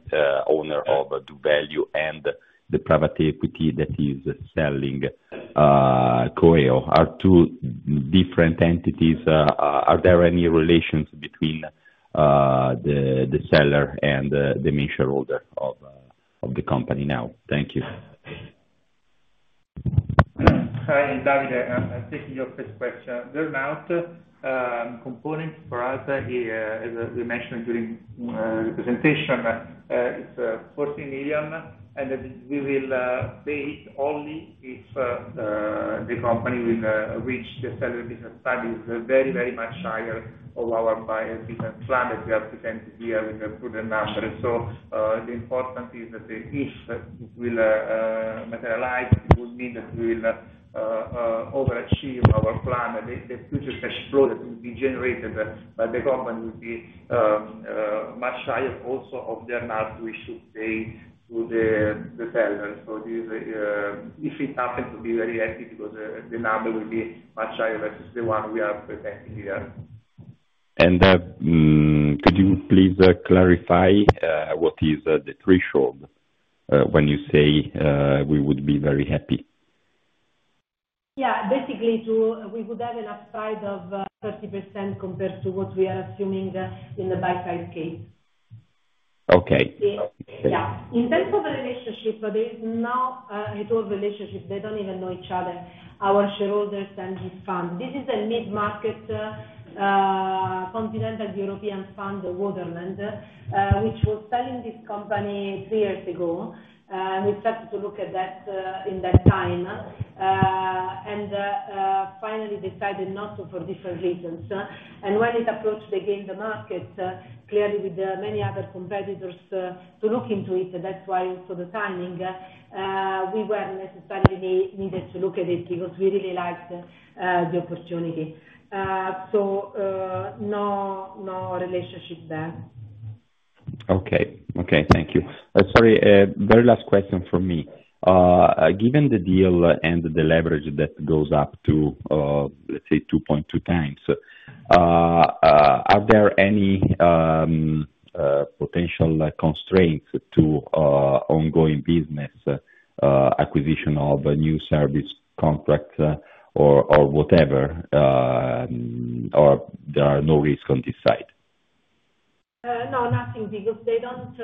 owner of doValue and the private equity that is selling, Coelho? Are two different entities? Are there any relations between the seller and the main shareholder of the company now? Thank you. Hi. I'm Davide. I'm taking your first question. The earnout component for us is, as we mentioned during the presentation, it's 14 million, and we will pay only if the company will reach the seller business plan. It's very, very much higher of our buyer business plan that we have presented here in the prudent number. The importance is that if it will materialize, it will mean that we will overachieve our plan. The future cash flow that will be generated by the company will be much higher also of the earnout we should pay to the seller. If it happens, we'll be very happy because the number will be much higher versus the one we are presenting here. Could you please clarify what is the threshold when you say we would be very happy? Yeah, basically, we would have an upside of 30% compared to what we are assuming in the buy 5K. Okay. Yeah. In terms of relationship, there is no at all relationship. They don't even know each other, our shareholders and this fund. This is a mid-market continental European fund, Waterland, which was selling this company three years ago. We started to look at that in that time, and finally decided not to for different reasons. When it approached again the market, clearly with many other competitors to look into it, that's why for the timing, we weren't necessarily needed to look at it because we really liked the opportunity. No, no relationship there. Okay. Thank you. Sorry. Very last question from me. Given the deal and the leverage that goes up to, let's say, 2.2x, are there any potential constraints to ongoing business, acquisition of a new service contract or whatever, or there are no risk on this side? No, nothing because they don't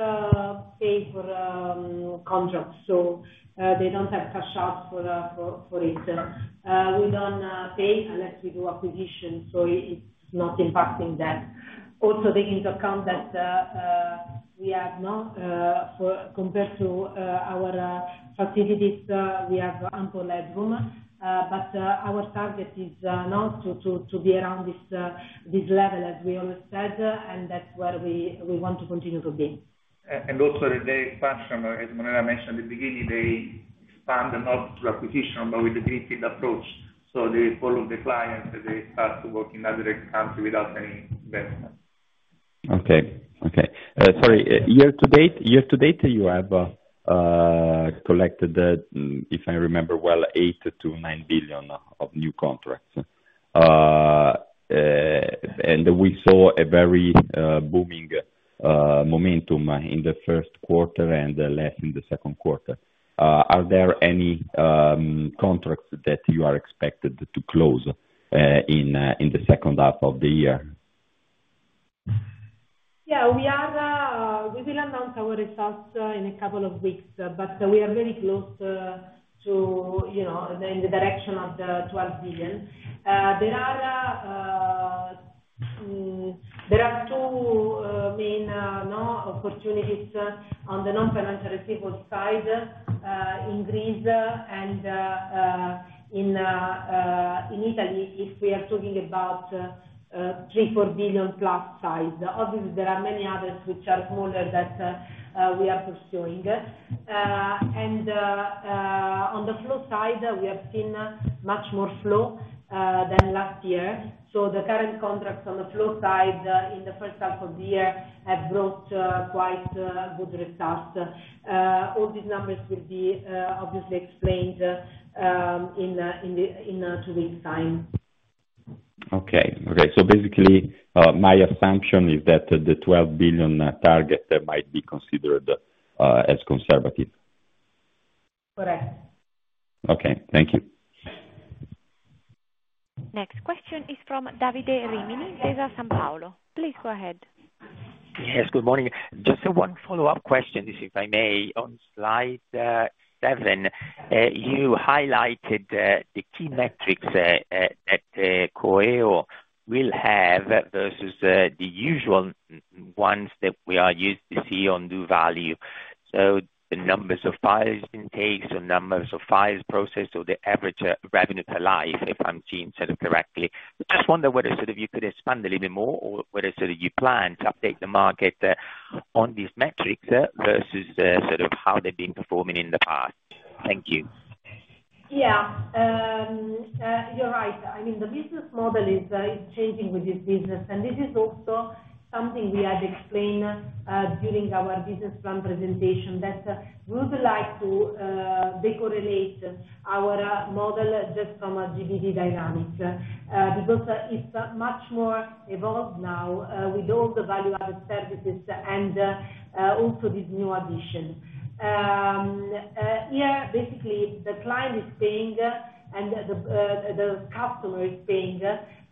pay for con jobs. They don't have cash outs for it. We don't pay unless we do acquisition, so it's not impacting that. Also, take into account that we have no, for compared to our facilities, we have ample headroom. Our target is now to be around this level as we always said, and that's where we want to continue to be. The question is, when I mentioned at the beginning, they expand not through acquisition but with the greenfield approach. They follow the clients, and they start to work in other countries without any benefit. Okay, sorry. Year-to-date, year-to-date, you have collected, if I remember well, 8 billion-EUR9 billion of new contracts. We saw a very booming momentum in the first quarter and less in the second quarter. Are there any contracts that you are expected to close in the second half of the year? Yeah. We will announce our results in a couple of weeks, but we are very close, you know, in the direction of the 12 billion. There are two main opportunities on the non-financial receivables side, in Greece and in Italy if we are talking about 3 billion, 4 billion plus side. Obviously, there are many others which are smaller that we are pursuing. On the flow side, we have seen much more flow than last year. The current contracts on the flow side in the first half of the year have brought quite good results. All these numbers will be obviously explained in two weeks' time. Okay. Okay. Basically, my assumption is that the 12 billion target might be considered as conservative. Correct. Okay, thank you. Next question is from Davide Rimini, Intesa San Paolo. Please go ahead. Yes. Good morning. Just one follow-up question, if I may. On slide seven, you highlighted the key metrics that Queria will have versus the usual ones that we are used to see on doValue. The numbers of files intake or numbers of files processed or the average revenue per life, if I'm seeing sort of correctly. I just wonder whether you could expand a little bit more or whether you plan to update the market on these metrics versus how they've been performing in the past. Thank you. Yeah, you're right. I mean, the business model is changing with this business. This is also something we had explained during our business plan presentation, that we would like to decorrelate our model just from a GDD dynamic, because it's much more evolved now with all the value-added services and also this new addition. Here, basically, the client is paying and the customer is paying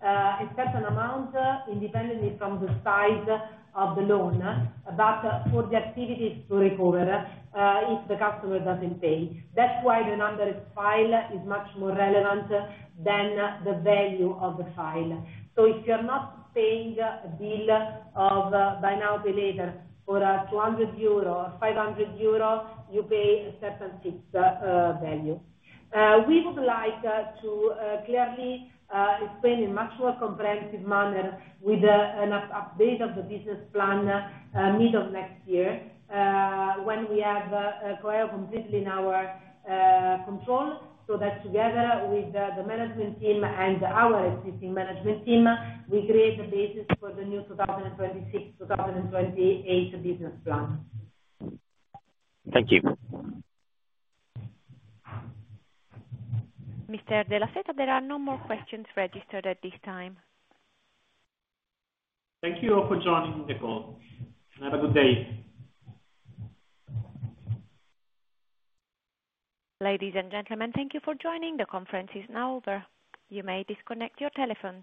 a certain amount independently from the size of the loan, but for the activities to recover if the customer doesn't pay. That's why the number of files is much more relevant than the value of the file. If you are not paying a bill of buy now, pay later for 200 euro or 500 euro, you pay a certain fixed value. We would like to clearly explain in a much more comprehensive manner with an update of the business plan, middle of next year, when we have Queria completely in our control. That, together with the management team and our existing management team, we create the basis for the new 2026-2028 business plan. Thank you. Mr. Della Seta, there are no more questions registered at this time. Thank you all for joining the call. Have a good day. Ladies and gentlemen, thank you for joining. The conference is now over. You may disconnect your telephone.